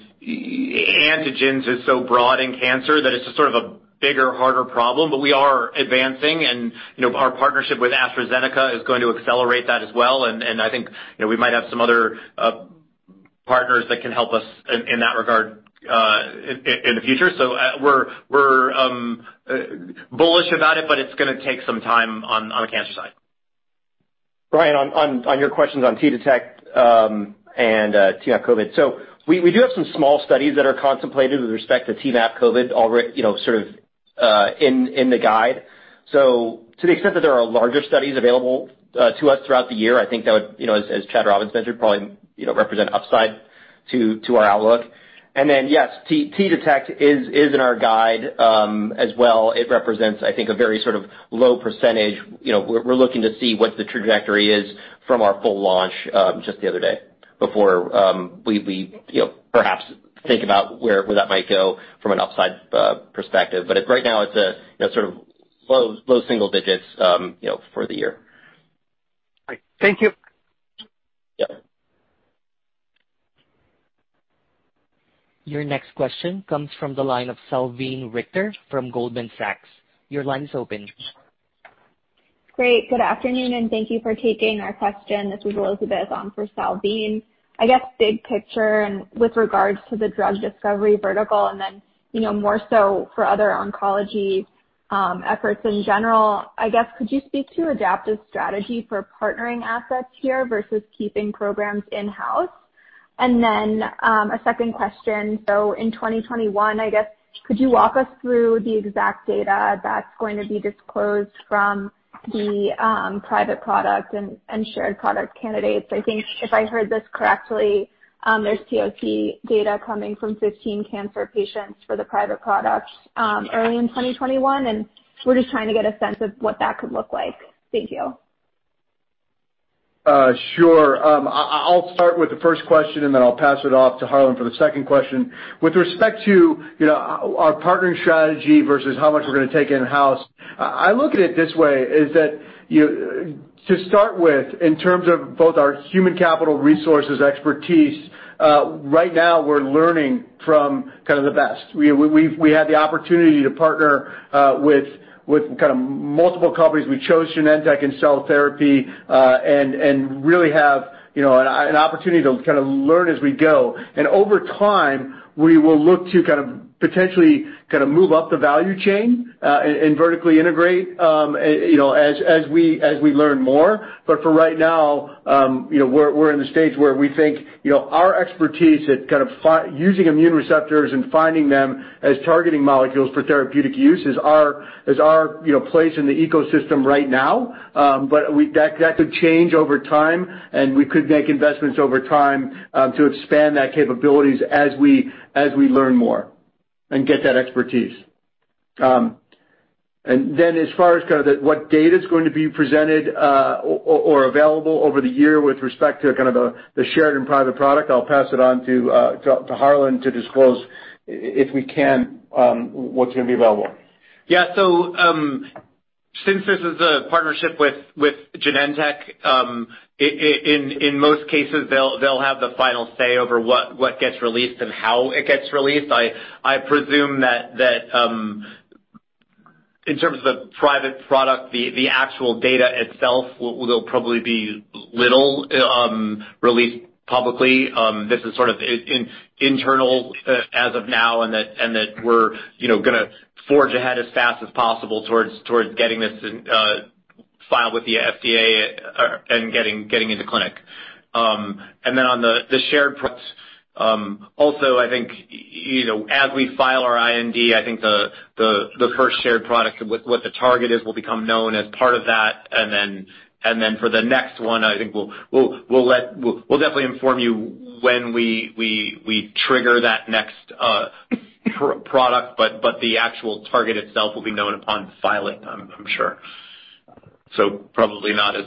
is so broad in cancer that it's just sort of a bigger, harder problem. We are advancing and our partnership with AstraZeneca is going to accelerate that as well. I think we might have some other partners that can help us in that regard in the future. We're bullish about it, but it's going to take some time on the cancer side. Brian, on your questions on T-Detect and T-MAP COVID. We do have some small studies that are contemplated with respect to T-MAP COVID sort of in the guide. To the extent that there are larger studies available to us throughout the year, I think that would, as Chad Robins said, should probably represent upside to our outlook. Yes, T-Detect is in our guide as well. It represents, I think, a very sort of low percentage. We're looking to see what the trajectory is from our full launch just the other day before we perhaps think about where that might go from an upside perspective. Right now it's sort of low single digits for the year. Thank you. Yeah. Your next question comes from the line of Salveen Richter from Goldman Sachs. Your line is open. Great. Good afternoon, and thank you for taking our question. This is Elizabeth on for Salveen. Big picture with regards to the drug discovery vertical, more so for other oncology efforts in general, could you speak to Adaptive's strategy for partnering assets here versus keeping programs in-house? A second question. In 2021, could you walk us through the exact data that's going to be disclosed from the private product and shared product candidates? I think if I heard this correctly, there's POC data coming from 15 cancer patients for the private products early in 2021? We're just trying to get a sense of what that could look like. Thank you. Sure. I'll start with the first question, and then I'll pass it off to Harlan for the second question. With respect to our partnering strategy versus how much we're going to take in-house, I look at it this way, is that to start with, in terms of both our human capital resources expertise, right now we're learning from the best. We had the opportunity to partner with multiple companies. We chose Genentech in cell therapy, and really have an opportunity to kind of learn as we go. Over time, we will look to potentially move up the value chain and vertically integrate as we learn more. For right now, we're in the stage where we think our expertise at using immune receptors and finding them as targeting molecules for therapeutic use is our place in the ecosystem right now. That could change over time, and we could make investments over time to expand that capabilities as we learn more and get that expertise. Then as far as what data is going to be presented or available over the year with respect to the shared and private product, I'll pass it on to Harlan to disclose, if we can, what's going to be available. Yeah. Since this is a partnership with Genentech, in most cases, they'll have the final say over what gets released and how it gets released. I presume that in terms of private product, the actual data itself will probably be little released publicly. This is sort of internal as of now and that we're going to forge ahead as fast as possible towards getting this filed with the FDA and getting into clinic. On the shared products, also I think as we file our IND, I think the first shared product, what the target is will become known as part of that. For the next one, I think we'll definitely inform you when we trigger that next product, but the actual target itself will be known upon filing, I'm sure. Probably not as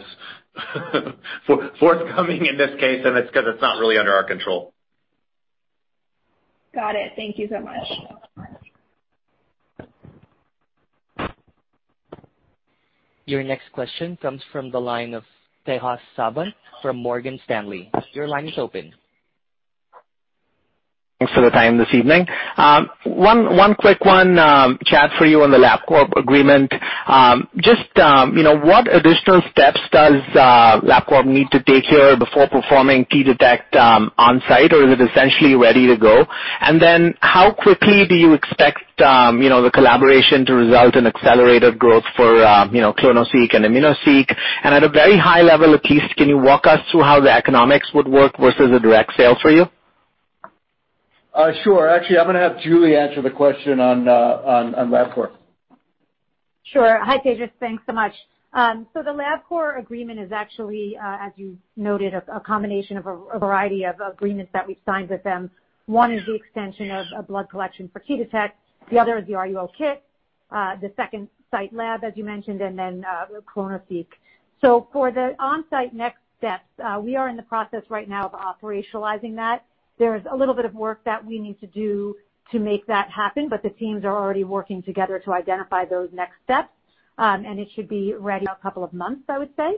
forthcoming in this case, and it's because it's not really under our control. Got it. Thank you so much. Your next question comes from the line of Tejas Savant from Morgan Stanley. Your line is open. Thanks for the time this evening. One quick one, Chad, for you on the Labcorp agreement. Just what additional steps does Labcorp need to take here before performing T-Detect on-site, or is it essentially ready to go? How quickly do you expect the collaboration to result in accelerated growth for clonoSEQ and immunoSEQ? At a very high level, at least, can you walk us through how the economics would work versus a direct sale for you? Sure. Actually, I'm going to have Julie answer the question on Labcorp. Sure. Hi, Tejas. Thanks so much. The Labcorp agreement is actually, as you noted, a combination of a variety of agreements that we've signed with them. One is the extension of blood collection for T-Detect, the other is the RUO kit, the second site lab, as you mentioned, and then, clonoSEQ. For the on-site next steps, we are in the process right now of operationalizing that. There is a little bit of work that we need to do to make that happen, but the teams are already working together to identify those next steps. It should be ready in a couple of months, I would say.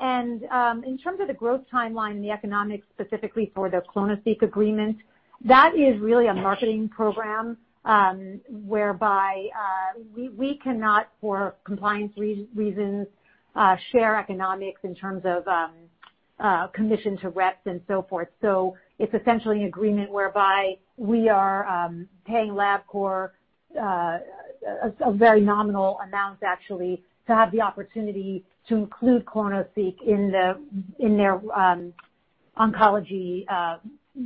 In terms of the growth timeline and the economics specifically for the clonoSEQ agreement, that is really a marketing program, whereby we cannot, for compliance reasons, share economics in terms of commission to reps and so forth. It's essentially an agreement whereby we are paying Labcorp a very nominal amount, actually, to have the opportunity to include clonoSEQ in their oncology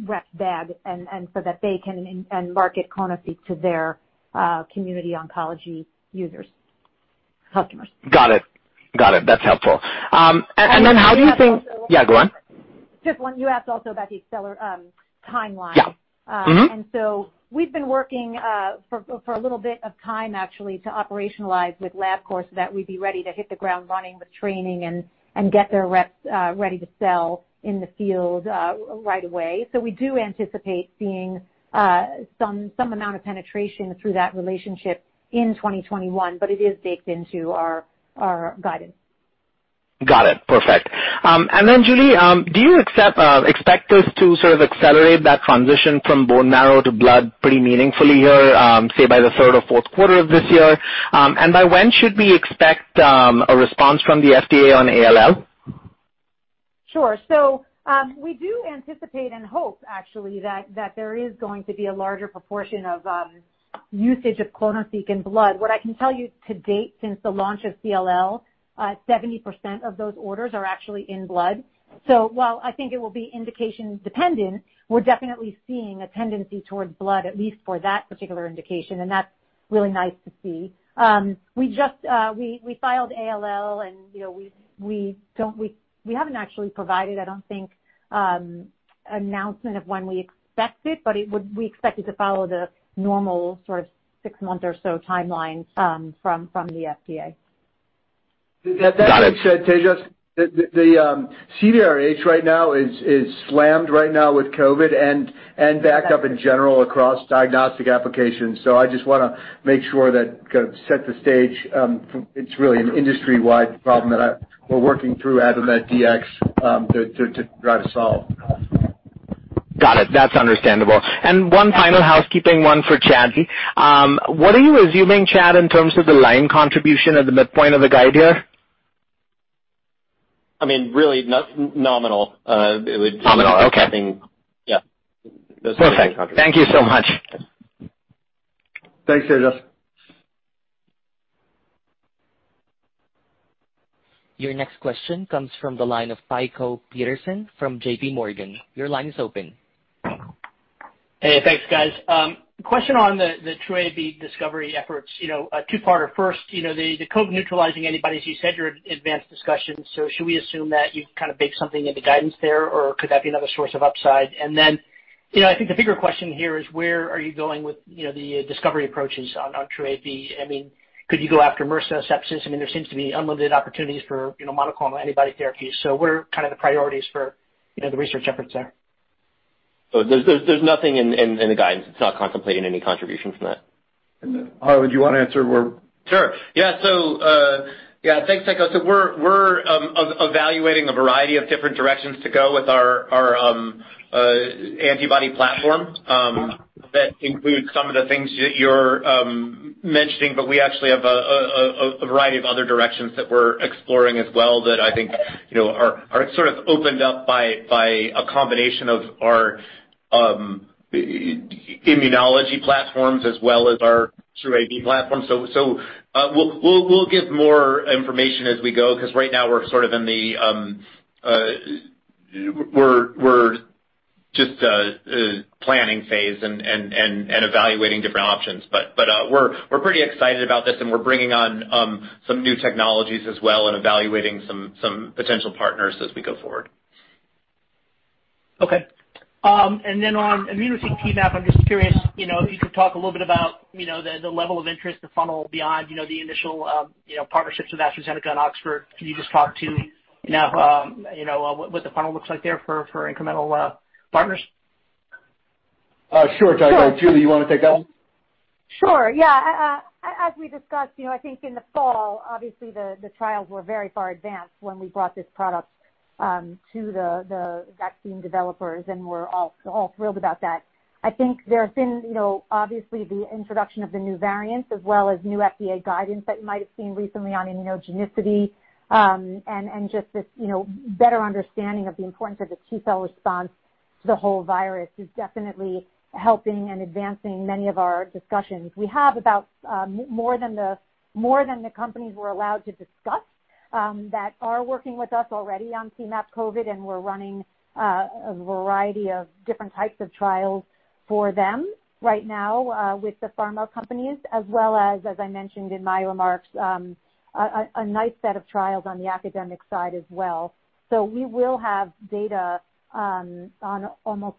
rep bag, and so that they can market clonoSEQ to their community oncology users, customers. Got it. That's helpful. How do you think- You asked also about the- Yeah, go on. Just one, you asked also about the accelerated timeline. Yeah. We've been working for a little bit of time actually to operationalize with Labcorp so that we'd be ready to hit the ground running with training and get their reps ready to sell in the field right away. We do anticipate seeing some amount of penetration through that relationship in 2021, but it is baked into our guidance. Got it. Perfect. Julie, do you expect this to sort of accelerate that transition from bone marrow to blood pretty meaningfully here, say by the third or fourth quarter of this year? By when should we expect a response from the FDA on ALL? Sure. We do anticipate and hope actually, that there is going to be a larger proportion of usage of clonoSEQ in blood. What I can tell you to date since the launch of CLL, 70% of those orders are actually in blood. While I think it will be indication-dependent, we're definitely seeing a tendency towards blood. At least for that particular indication, and that's really nice to see. We filed ALL and we haven't actually provided, I don't think, announcement of when we expect it, but we expect it to follow the normal sort of six-month or so timelines from the FDA. Got it. That being said, Tejas, the CDRH right now is slammed with COVID and backed up in general across diagnostic applications. I just want to make sure that set the stage, it's really an industry-wide problem that we're working through at AdvaMedDx to try to solve. Got it. That's understandable. One final housekeeping one for Chad C. What are you assuming, Chad, in terms of the Lyme contribution at the midpoint of the guide here? I mean, really nominal. It would-- Nominal. Okay. Yeah. Perfect. Thank you so much. Thanks, Tejas. Your next question comes from the line of Tycho Peterson from JPMorgan. Your line is open. Hey, thanks guys. Question on the TruAB discovery efforts, a two-parter. First, the COVID neutralizing antibodies. You said you're in advanced discussions, should we assume that you've kind of baked something into guidance there, or could that be another source of upside? I think the bigger question here is where are you going with the discovery approaches on TruAB? Could you go after MRSA sepsis? There seems to be unlimited opportunities for monoclonal antibody therapies. What are kind of the priorities for the research efforts there? There's nothing in the guidance. It's not contemplating any contribution from that. Har, would you want to answer or? Sure. Yeah. Thanks, Tycho. We're evaluating a variety of different directions to go with our antibody platform, that include some of the things that you're mentioning, but we actually have a variety of other directions that we're exploring as well that I think are sort of opened up by a combination of our immunology platforms as well as our TruAB platform. We'll give more information as we go, because right now we're sort of in the planning phase and evaluating different options. We're pretty excited about this, and we're bringing on some new technologies as well and evaluating some potential partners as we go forward. Okay. On immunoSEQ T-MAP, I'm just curious, if you could talk a little bit about the level of interest, the funnel beyond the initial partnerships with AstraZeneca and Oxford. Can you just talk to what the funnel looks like there for incremental partners? Sure, Tycho. Julie, you want to take that one? Sure. Yeah. As we discussed, I think in the fall, obviously the trials were very far advanced when we brought this product to the vaccine developers, and we're all thrilled about that. I think there have been, obviously the introduction of the new variants as well as new FDA guidance that you might have seen recently on immunogenicity, and just this better understanding of the importance of the T-cell response to the whole virus is definitely helping and advancing many of our discussions. We have about more than the companies we're allowed to discuss that are working with us already on T-MAP COVID, and we're running a variety of different types of trials for them right now with the pharma companies, as well as I mentioned in my remarks, a nice set of trials on the academic side as well. We will have data on almost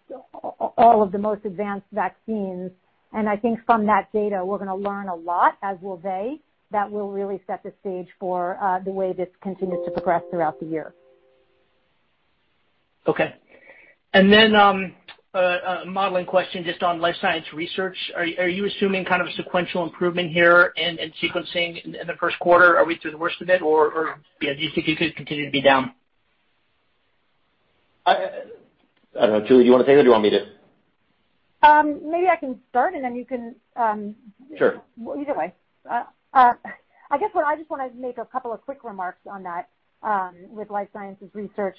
all of the most advanced vaccines. I think from that data, we're going to learn a lot, as will they, that will really set the stage for the way this continues to progress throughout the year. Okay. Then a modeling question just on life science research. Are you assuming kind of a sequential improvement here and sequencing in the first quarter? Are we through the worst of it, or do you think you could continue to be down? I don't know, Julie, do you want to take it or do you want me to? Maybe I can start and then you can-- Sure. Either way. I guess what I just want to make a couple of quick remarks on that with life sciences research.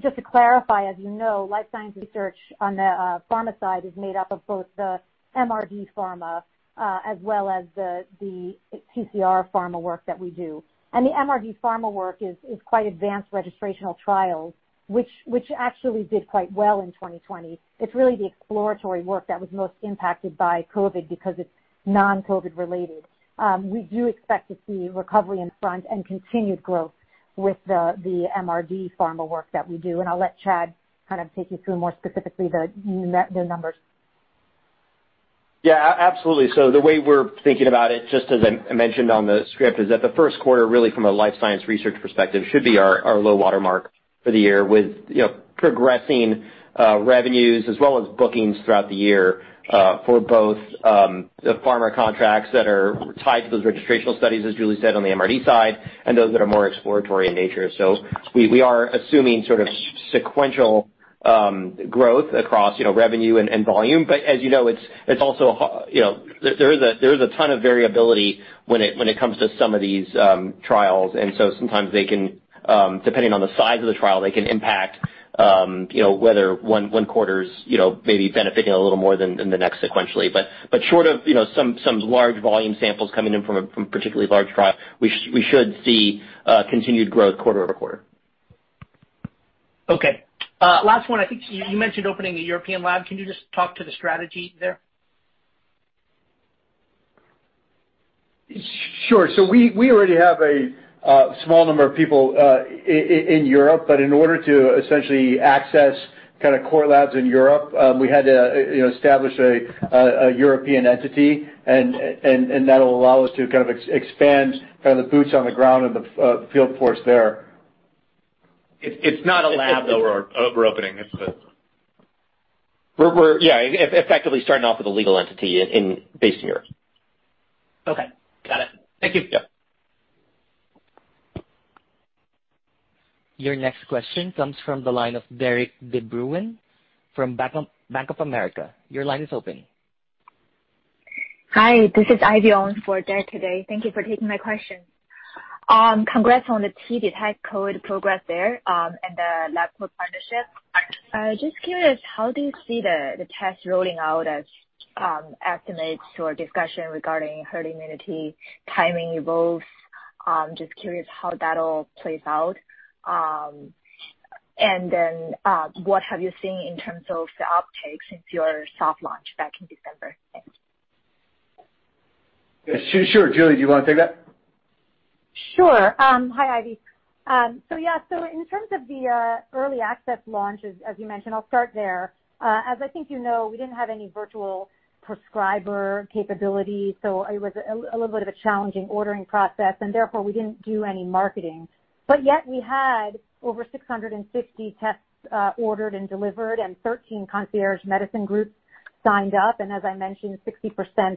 Just to clarify, as you know, life science research on the pharma side is made up of both the MRD pharma, as well as the PCR pharma work that we do. The MRD pharma work is quite advanced registrational trials, which actually did quite well in 2020. It's really the exploratory work that was most impacted by COVID, because it's non-COVID related. We do expect to see recovery in front and continued growth with the MRD pharma work that we do. I'll let Chad kind of take you through more specifically the numbers. Yeah, absolutely. The way we're thinking about it, just as I mentioned on the script, is that the first quarter, really from a life science research perspective, should be our low water mark for the year with progressing revenues as well as bookings throughout the year for both the pharma contracts that are tied to those registrational studies, as Julie said, on the MRD side, and those that are more exploratory in nature. We are assuming sort of sequential growth across revenue and volume. As you know, there is a ton of variability when it comes to some of these trials. Sometimes they can, depending on the size of the trial, they can impact whether one quarter's maybe benefiting a little more than the next sequentially. Short of some large volume samples coming in from a particularly large trial, we should see continued growth quarter-over-quarter. Okay. Last one, I think you mentioned opening a European lab. Can you just talk to the strategy there? Sure. We already have a small number of people in Europe. But in order to essentially access core labs in Europe, we had to establish a European entity. That'll allow us to kind of expand the boots on the ground and the field force there. It's not a lab, though, we're opening. We're effectively starting off with a legal entity based in Europe. Okay. Got it. Thank you. Yeah. Your next question comes from the line of Derik De Bruin from Bank of America. Your line is open. Hi, this is Ivy on for Derik today. Thank you for taking my question. Congrats on the T-Detect COVID progress there, and the Labcorp partnership. Just curious, how do you see the test rolling out as estimates or discussion regarding herd immunity timing evolves? Just curious how that all plays out. What have you seen in terms of the uptake since your soft launch back in December? Thanks. Sure. Julie, do you want to take that? Sure. Hi, Ivy. Yeah. In terms of the early access launch, as you mentioned, I'll start there. As I think you know, we didn't have any virtual prescriber capability. It was a little bit of a challenging ordering process. Therefore, we didn't do any marketing. Yet we had over 650 tests ordered and delivered, and 13 concierge medicine groups signed up. As I mentioned, 60%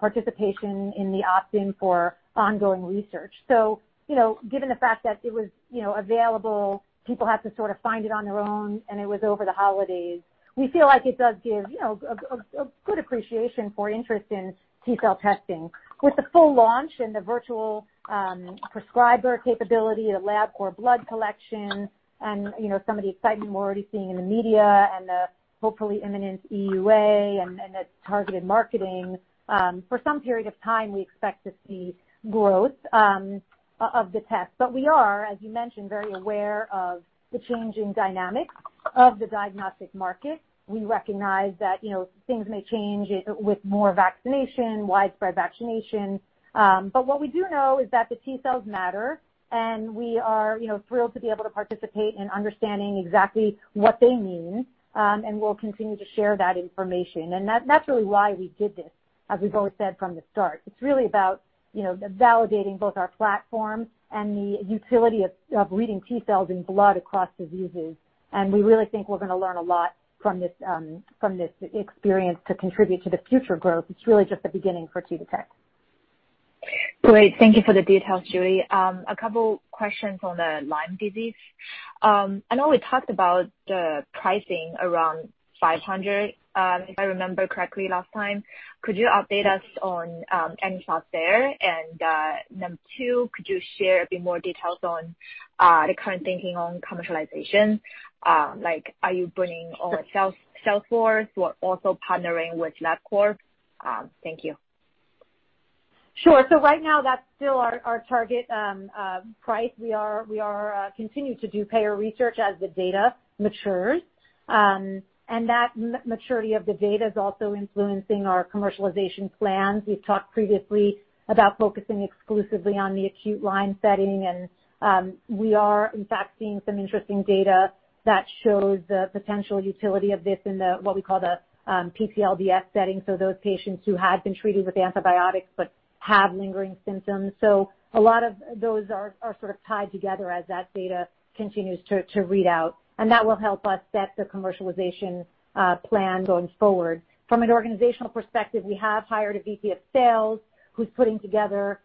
participation in the opt-in for ongoing research. Given the fact that it was available, people had to sort of find it on their own, and it was over the holidays, we feel like it does give a good appreciation for interest in T-cell testing. With the full launch and the virtual prescriber capability, the Labcorp blood collection, and some of the excitement we're already seeing in the media and the hopefully imminent EUA and the targeted marketing, for some period of time, we expect to see growth of the test. We are, as you mentioned, very aware of the changing dynamics of the diagnostic market. We recognize that things may change with more vaccination, widespread vaccination. What we do know is that the T-cells matter, and we are thrilled to be able to participate in understanding exactly what they mean, and we'll continue to share that information. That's really why we did this, as we've always said from the start. It's really about validating both our platform and the utility of reading T-cells in blood across diseases. We really think we're going to learn a lot from this experience to contribute to the future growth. It's really just the beginning for T-Detect. Great. Thank you for the details, Julie. A couple questions on the Lyme disease. I know we talked about the pricing around $500, if I remember correctly last time. Could you update us on any thoughts there? Number two, could you share a bit more details on the current thinking on commercialization? Like, are you bringing on a sales force? We're also partnering with Labcorp. Thank you. Sure. Right now that's still our target price. We continue to do payer research as the data matures. That maturity of the data is also influencing our commercialization plans. We've talked previously about focusing exclusively on the acute Lyme setting, and we are in fact seeing some interesting data that shows the potential utility of this in the, what we call the PTLDS setting, so those patients who had been treated with antibiotics but have lingering symptoms. A lot of those are sort of tied together as that data continues to read out, and that will help us set the commercialization plan going forward. From an organizational perspective, we have hired a VP of sales who's putting together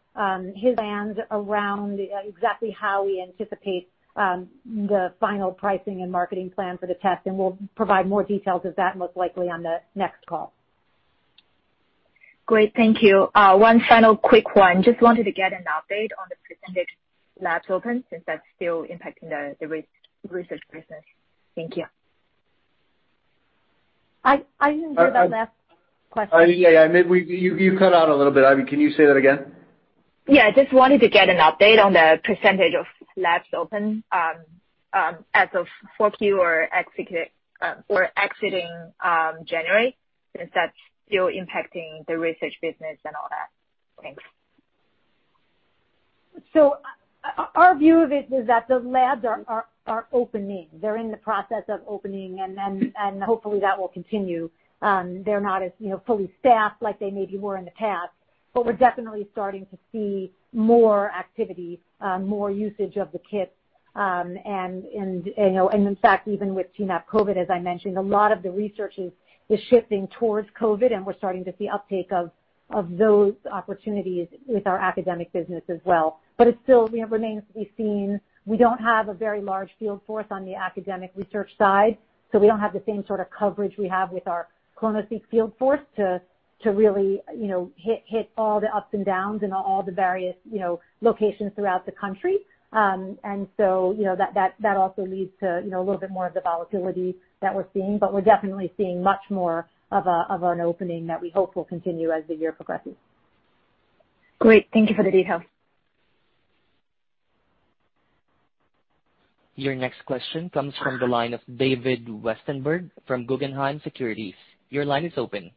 his plans around exactly how we anticipate the final pricing and marketing plan for the test, and we'll provide more details of that most likely on the next call. Great. Thank you. One final quick one. Just wanted to get an update on the percentage labs open, since that's still impacting the research business? Thank you. I didn't hear that last question. Yeah. You cut out a little bit, Ivy. Can you say that again? Yeah. Just wanted to get an update on the percentage of labs open as of 4Q or exiting January, since that's still impacting the research business and all that? Thanks. Our view of it is that the labs are opening. They're in the process of opening, and hopefully that will continue. They're not as fully staffed like they maybe were in the past, but we're definitely starting to see more activity, more usage of the kits. In fact, even with T-MAP COVID, as I mentioned, a lot of the research is shifting towards COVID, and we're starting to see uptake of those opportunities with our academic business as well. It still remains to be seen. We don't have a very large field force on the academic research side, so we don't have the same sort of coverage we have with our clonoSEQ field force to really hit all the ups and downs in all the various locations throughout the country. That also leads to a little bit more of the volatility that we're seeing, but we're definitely seeing much more of an opening that we hope will continue as the year progresses. Great. Thank you for the details. Your next question comes from the line of David Westenberg from Guggenheim Securities. Your line is open.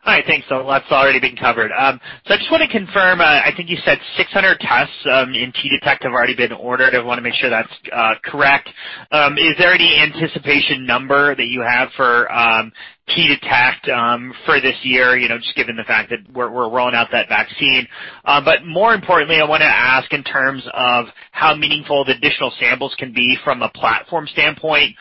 Hi. Thanks. A lot's already been covered. I just want to confirm, I think you said 600 tests in T-Detect have already been ordered. I want to make sure that's correct? Is there any anticipation number that you have for T-Detect for this year, just given the fact that we're rolling out that vaccine? More importantly, I want to ask in terms of how meaningful the additional samples can be from a platform standpoint,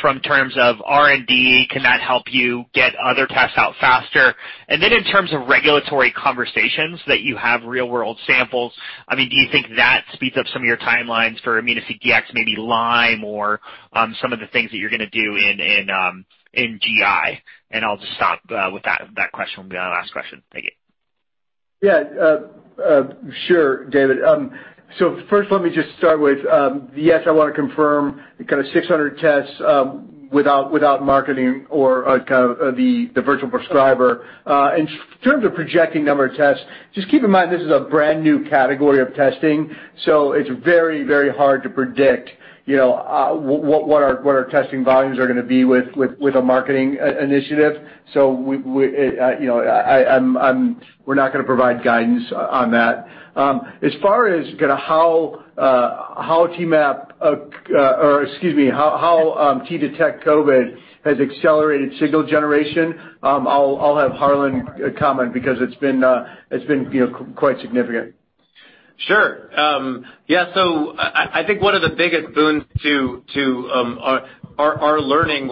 from terms of R&D. Can that help you get other tests out faster? In terms of regulatory conversations that you have real world samples, do you think that speeds up some of your timelines for immunoSEQ Dx, maybe Lyme or some of the things that you're going to do in GI? I'll just stop with that question. That'll be my last question. Thank you. Yeah. Sure, David. First let me just start with, yes, I want to confirm the 600 tests without marketing or the virtual prescriber. In terms of projecting number of tests, just keep in mind this is a brand-new category of testing, so it's very hard to predict what our testing volumes are going to be with a marketing initiative. We're not going to provide guidance on that. As far as how T-Detect COVID has accelerated signal generation, I'll have Harlan comment because it's been quite significant. Sure. Yeah, I think one of the biggest boons to our learning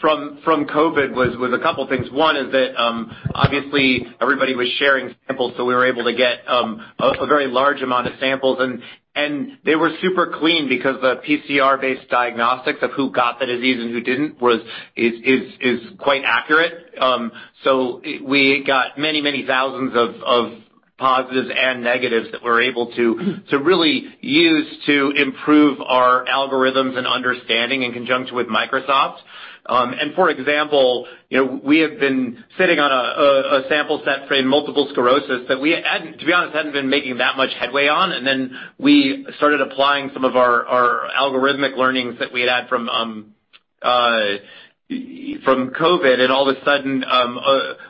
from COVID was a couple things. One is that obviously everybody was sharing samples, so we were able to get a very large amount of samples. They were super clean because the PCR-based diagnostics of who got the disease and who didn't is quite accurate. We got many thousands of positives and negatives that we're able to really use to improve our algorithms and understanding in conjunction with Microsoft. For example, we have been sitting on a sample set for multiple sclerosis that we, to be honest, hadn't been making that much headway on. Then, we started applying some of our algorithmic learnings that we had had from COVID, and all of a sudden,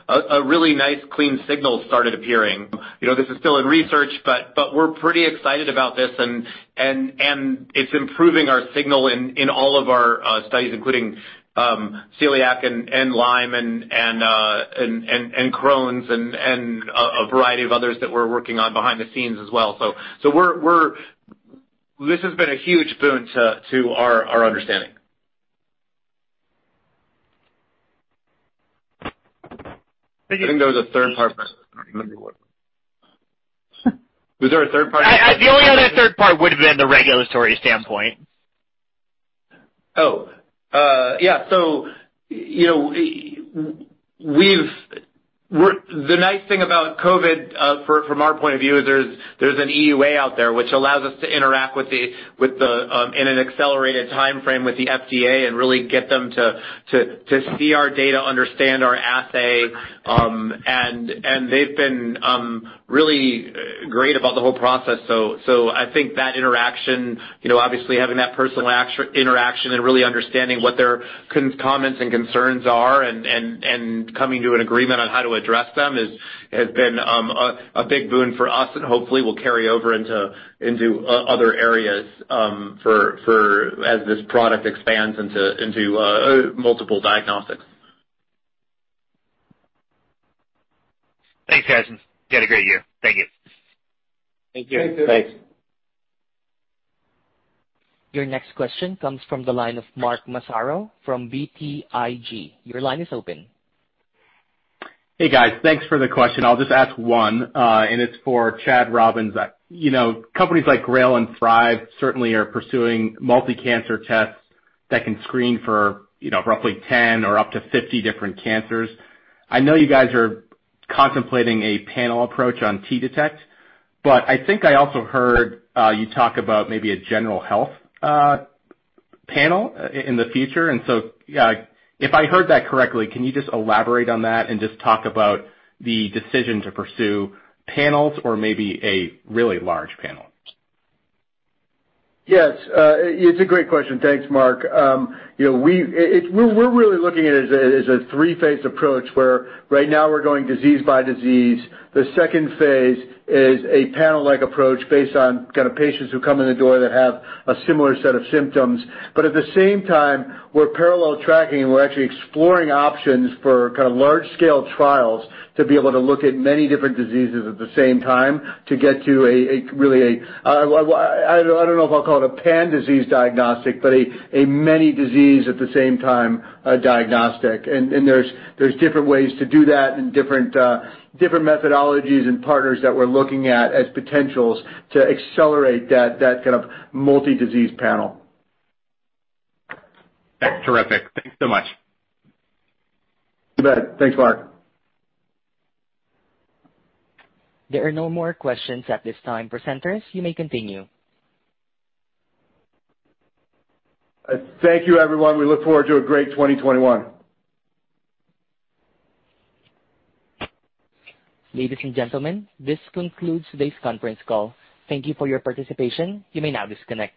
a really nice clean signal started appearing. This is still in research, but we're pretty excited about this and it's improving our signal in all of our studies, including celiac and Lyme and Crohn's and a variety of others that we're working on behind the scenes as well. This has been a huge boon to our understanding. I think there was a third part, but I don't remember what. Was there a third part? The only other third part would have been the regulatory standpoint. Oh, yeah. The nice thing about COVID from our point of view is there's an EUA out there which allows us to interact in an accelerated timeframe with the FDA and really get them to see our data, understand our assay. They've been really great about the whole process. I think that interaction. Obviously having that personal interaction and really understanding what their comments and concerns are and coming to an agreement on how to address them has been a big boon for us and hopefully will carry over into other areas as this product expands into multiple diagnostics. Thanks, guys. You had a great year. Thank you. Thank you. Thanks. Your next question comes from the line of Mark Massaro from BTIG. Your line is open. Hey, guys. Thanks for the question. I'll just ask one, and it's for Chad Robins. Companies like Grail and Thrive certainly are pursuing multi-cancer tests that can screen for roughly 10 or up to 50 different cancers. I know you guys are contemplating a panel approach on T-Detect, but I think I also heard you talk about maybe a general health panel in the future. If I heard that correctly, can you just elaborate on that and just talk about the decision to pursue panels or maybe a really large panel? Yes. It's a great question. Thanks, Mark. We're really looking at it as a three-phase approach, where right now we're going disease by disease. The second phase is a panel-like approach based on kind of patients who come in the door that have a similar set of symptoms. At the same time, we're parallel tracking and we're actually exploring options for kind of large-scale trials to be able to look at many different diseases at the same time to get to a really, I don't know if I'll call it a pan-disease diagnostic, but a many disease at the same time diagnostic. There's different ways to do that and different methodologies and partners that we're looking at as potentials to accelerate that kind of multi-disease panel. That's terrific. Thanks so much. You bet. Thanks, Mark. There are no more questions at this time. Presenters, you may continue. Thank you, everyone. We look forward to a great 2021. Ladies and gentlemen, this concludes today's conference call. Thank you for your participation. You may now disconnect.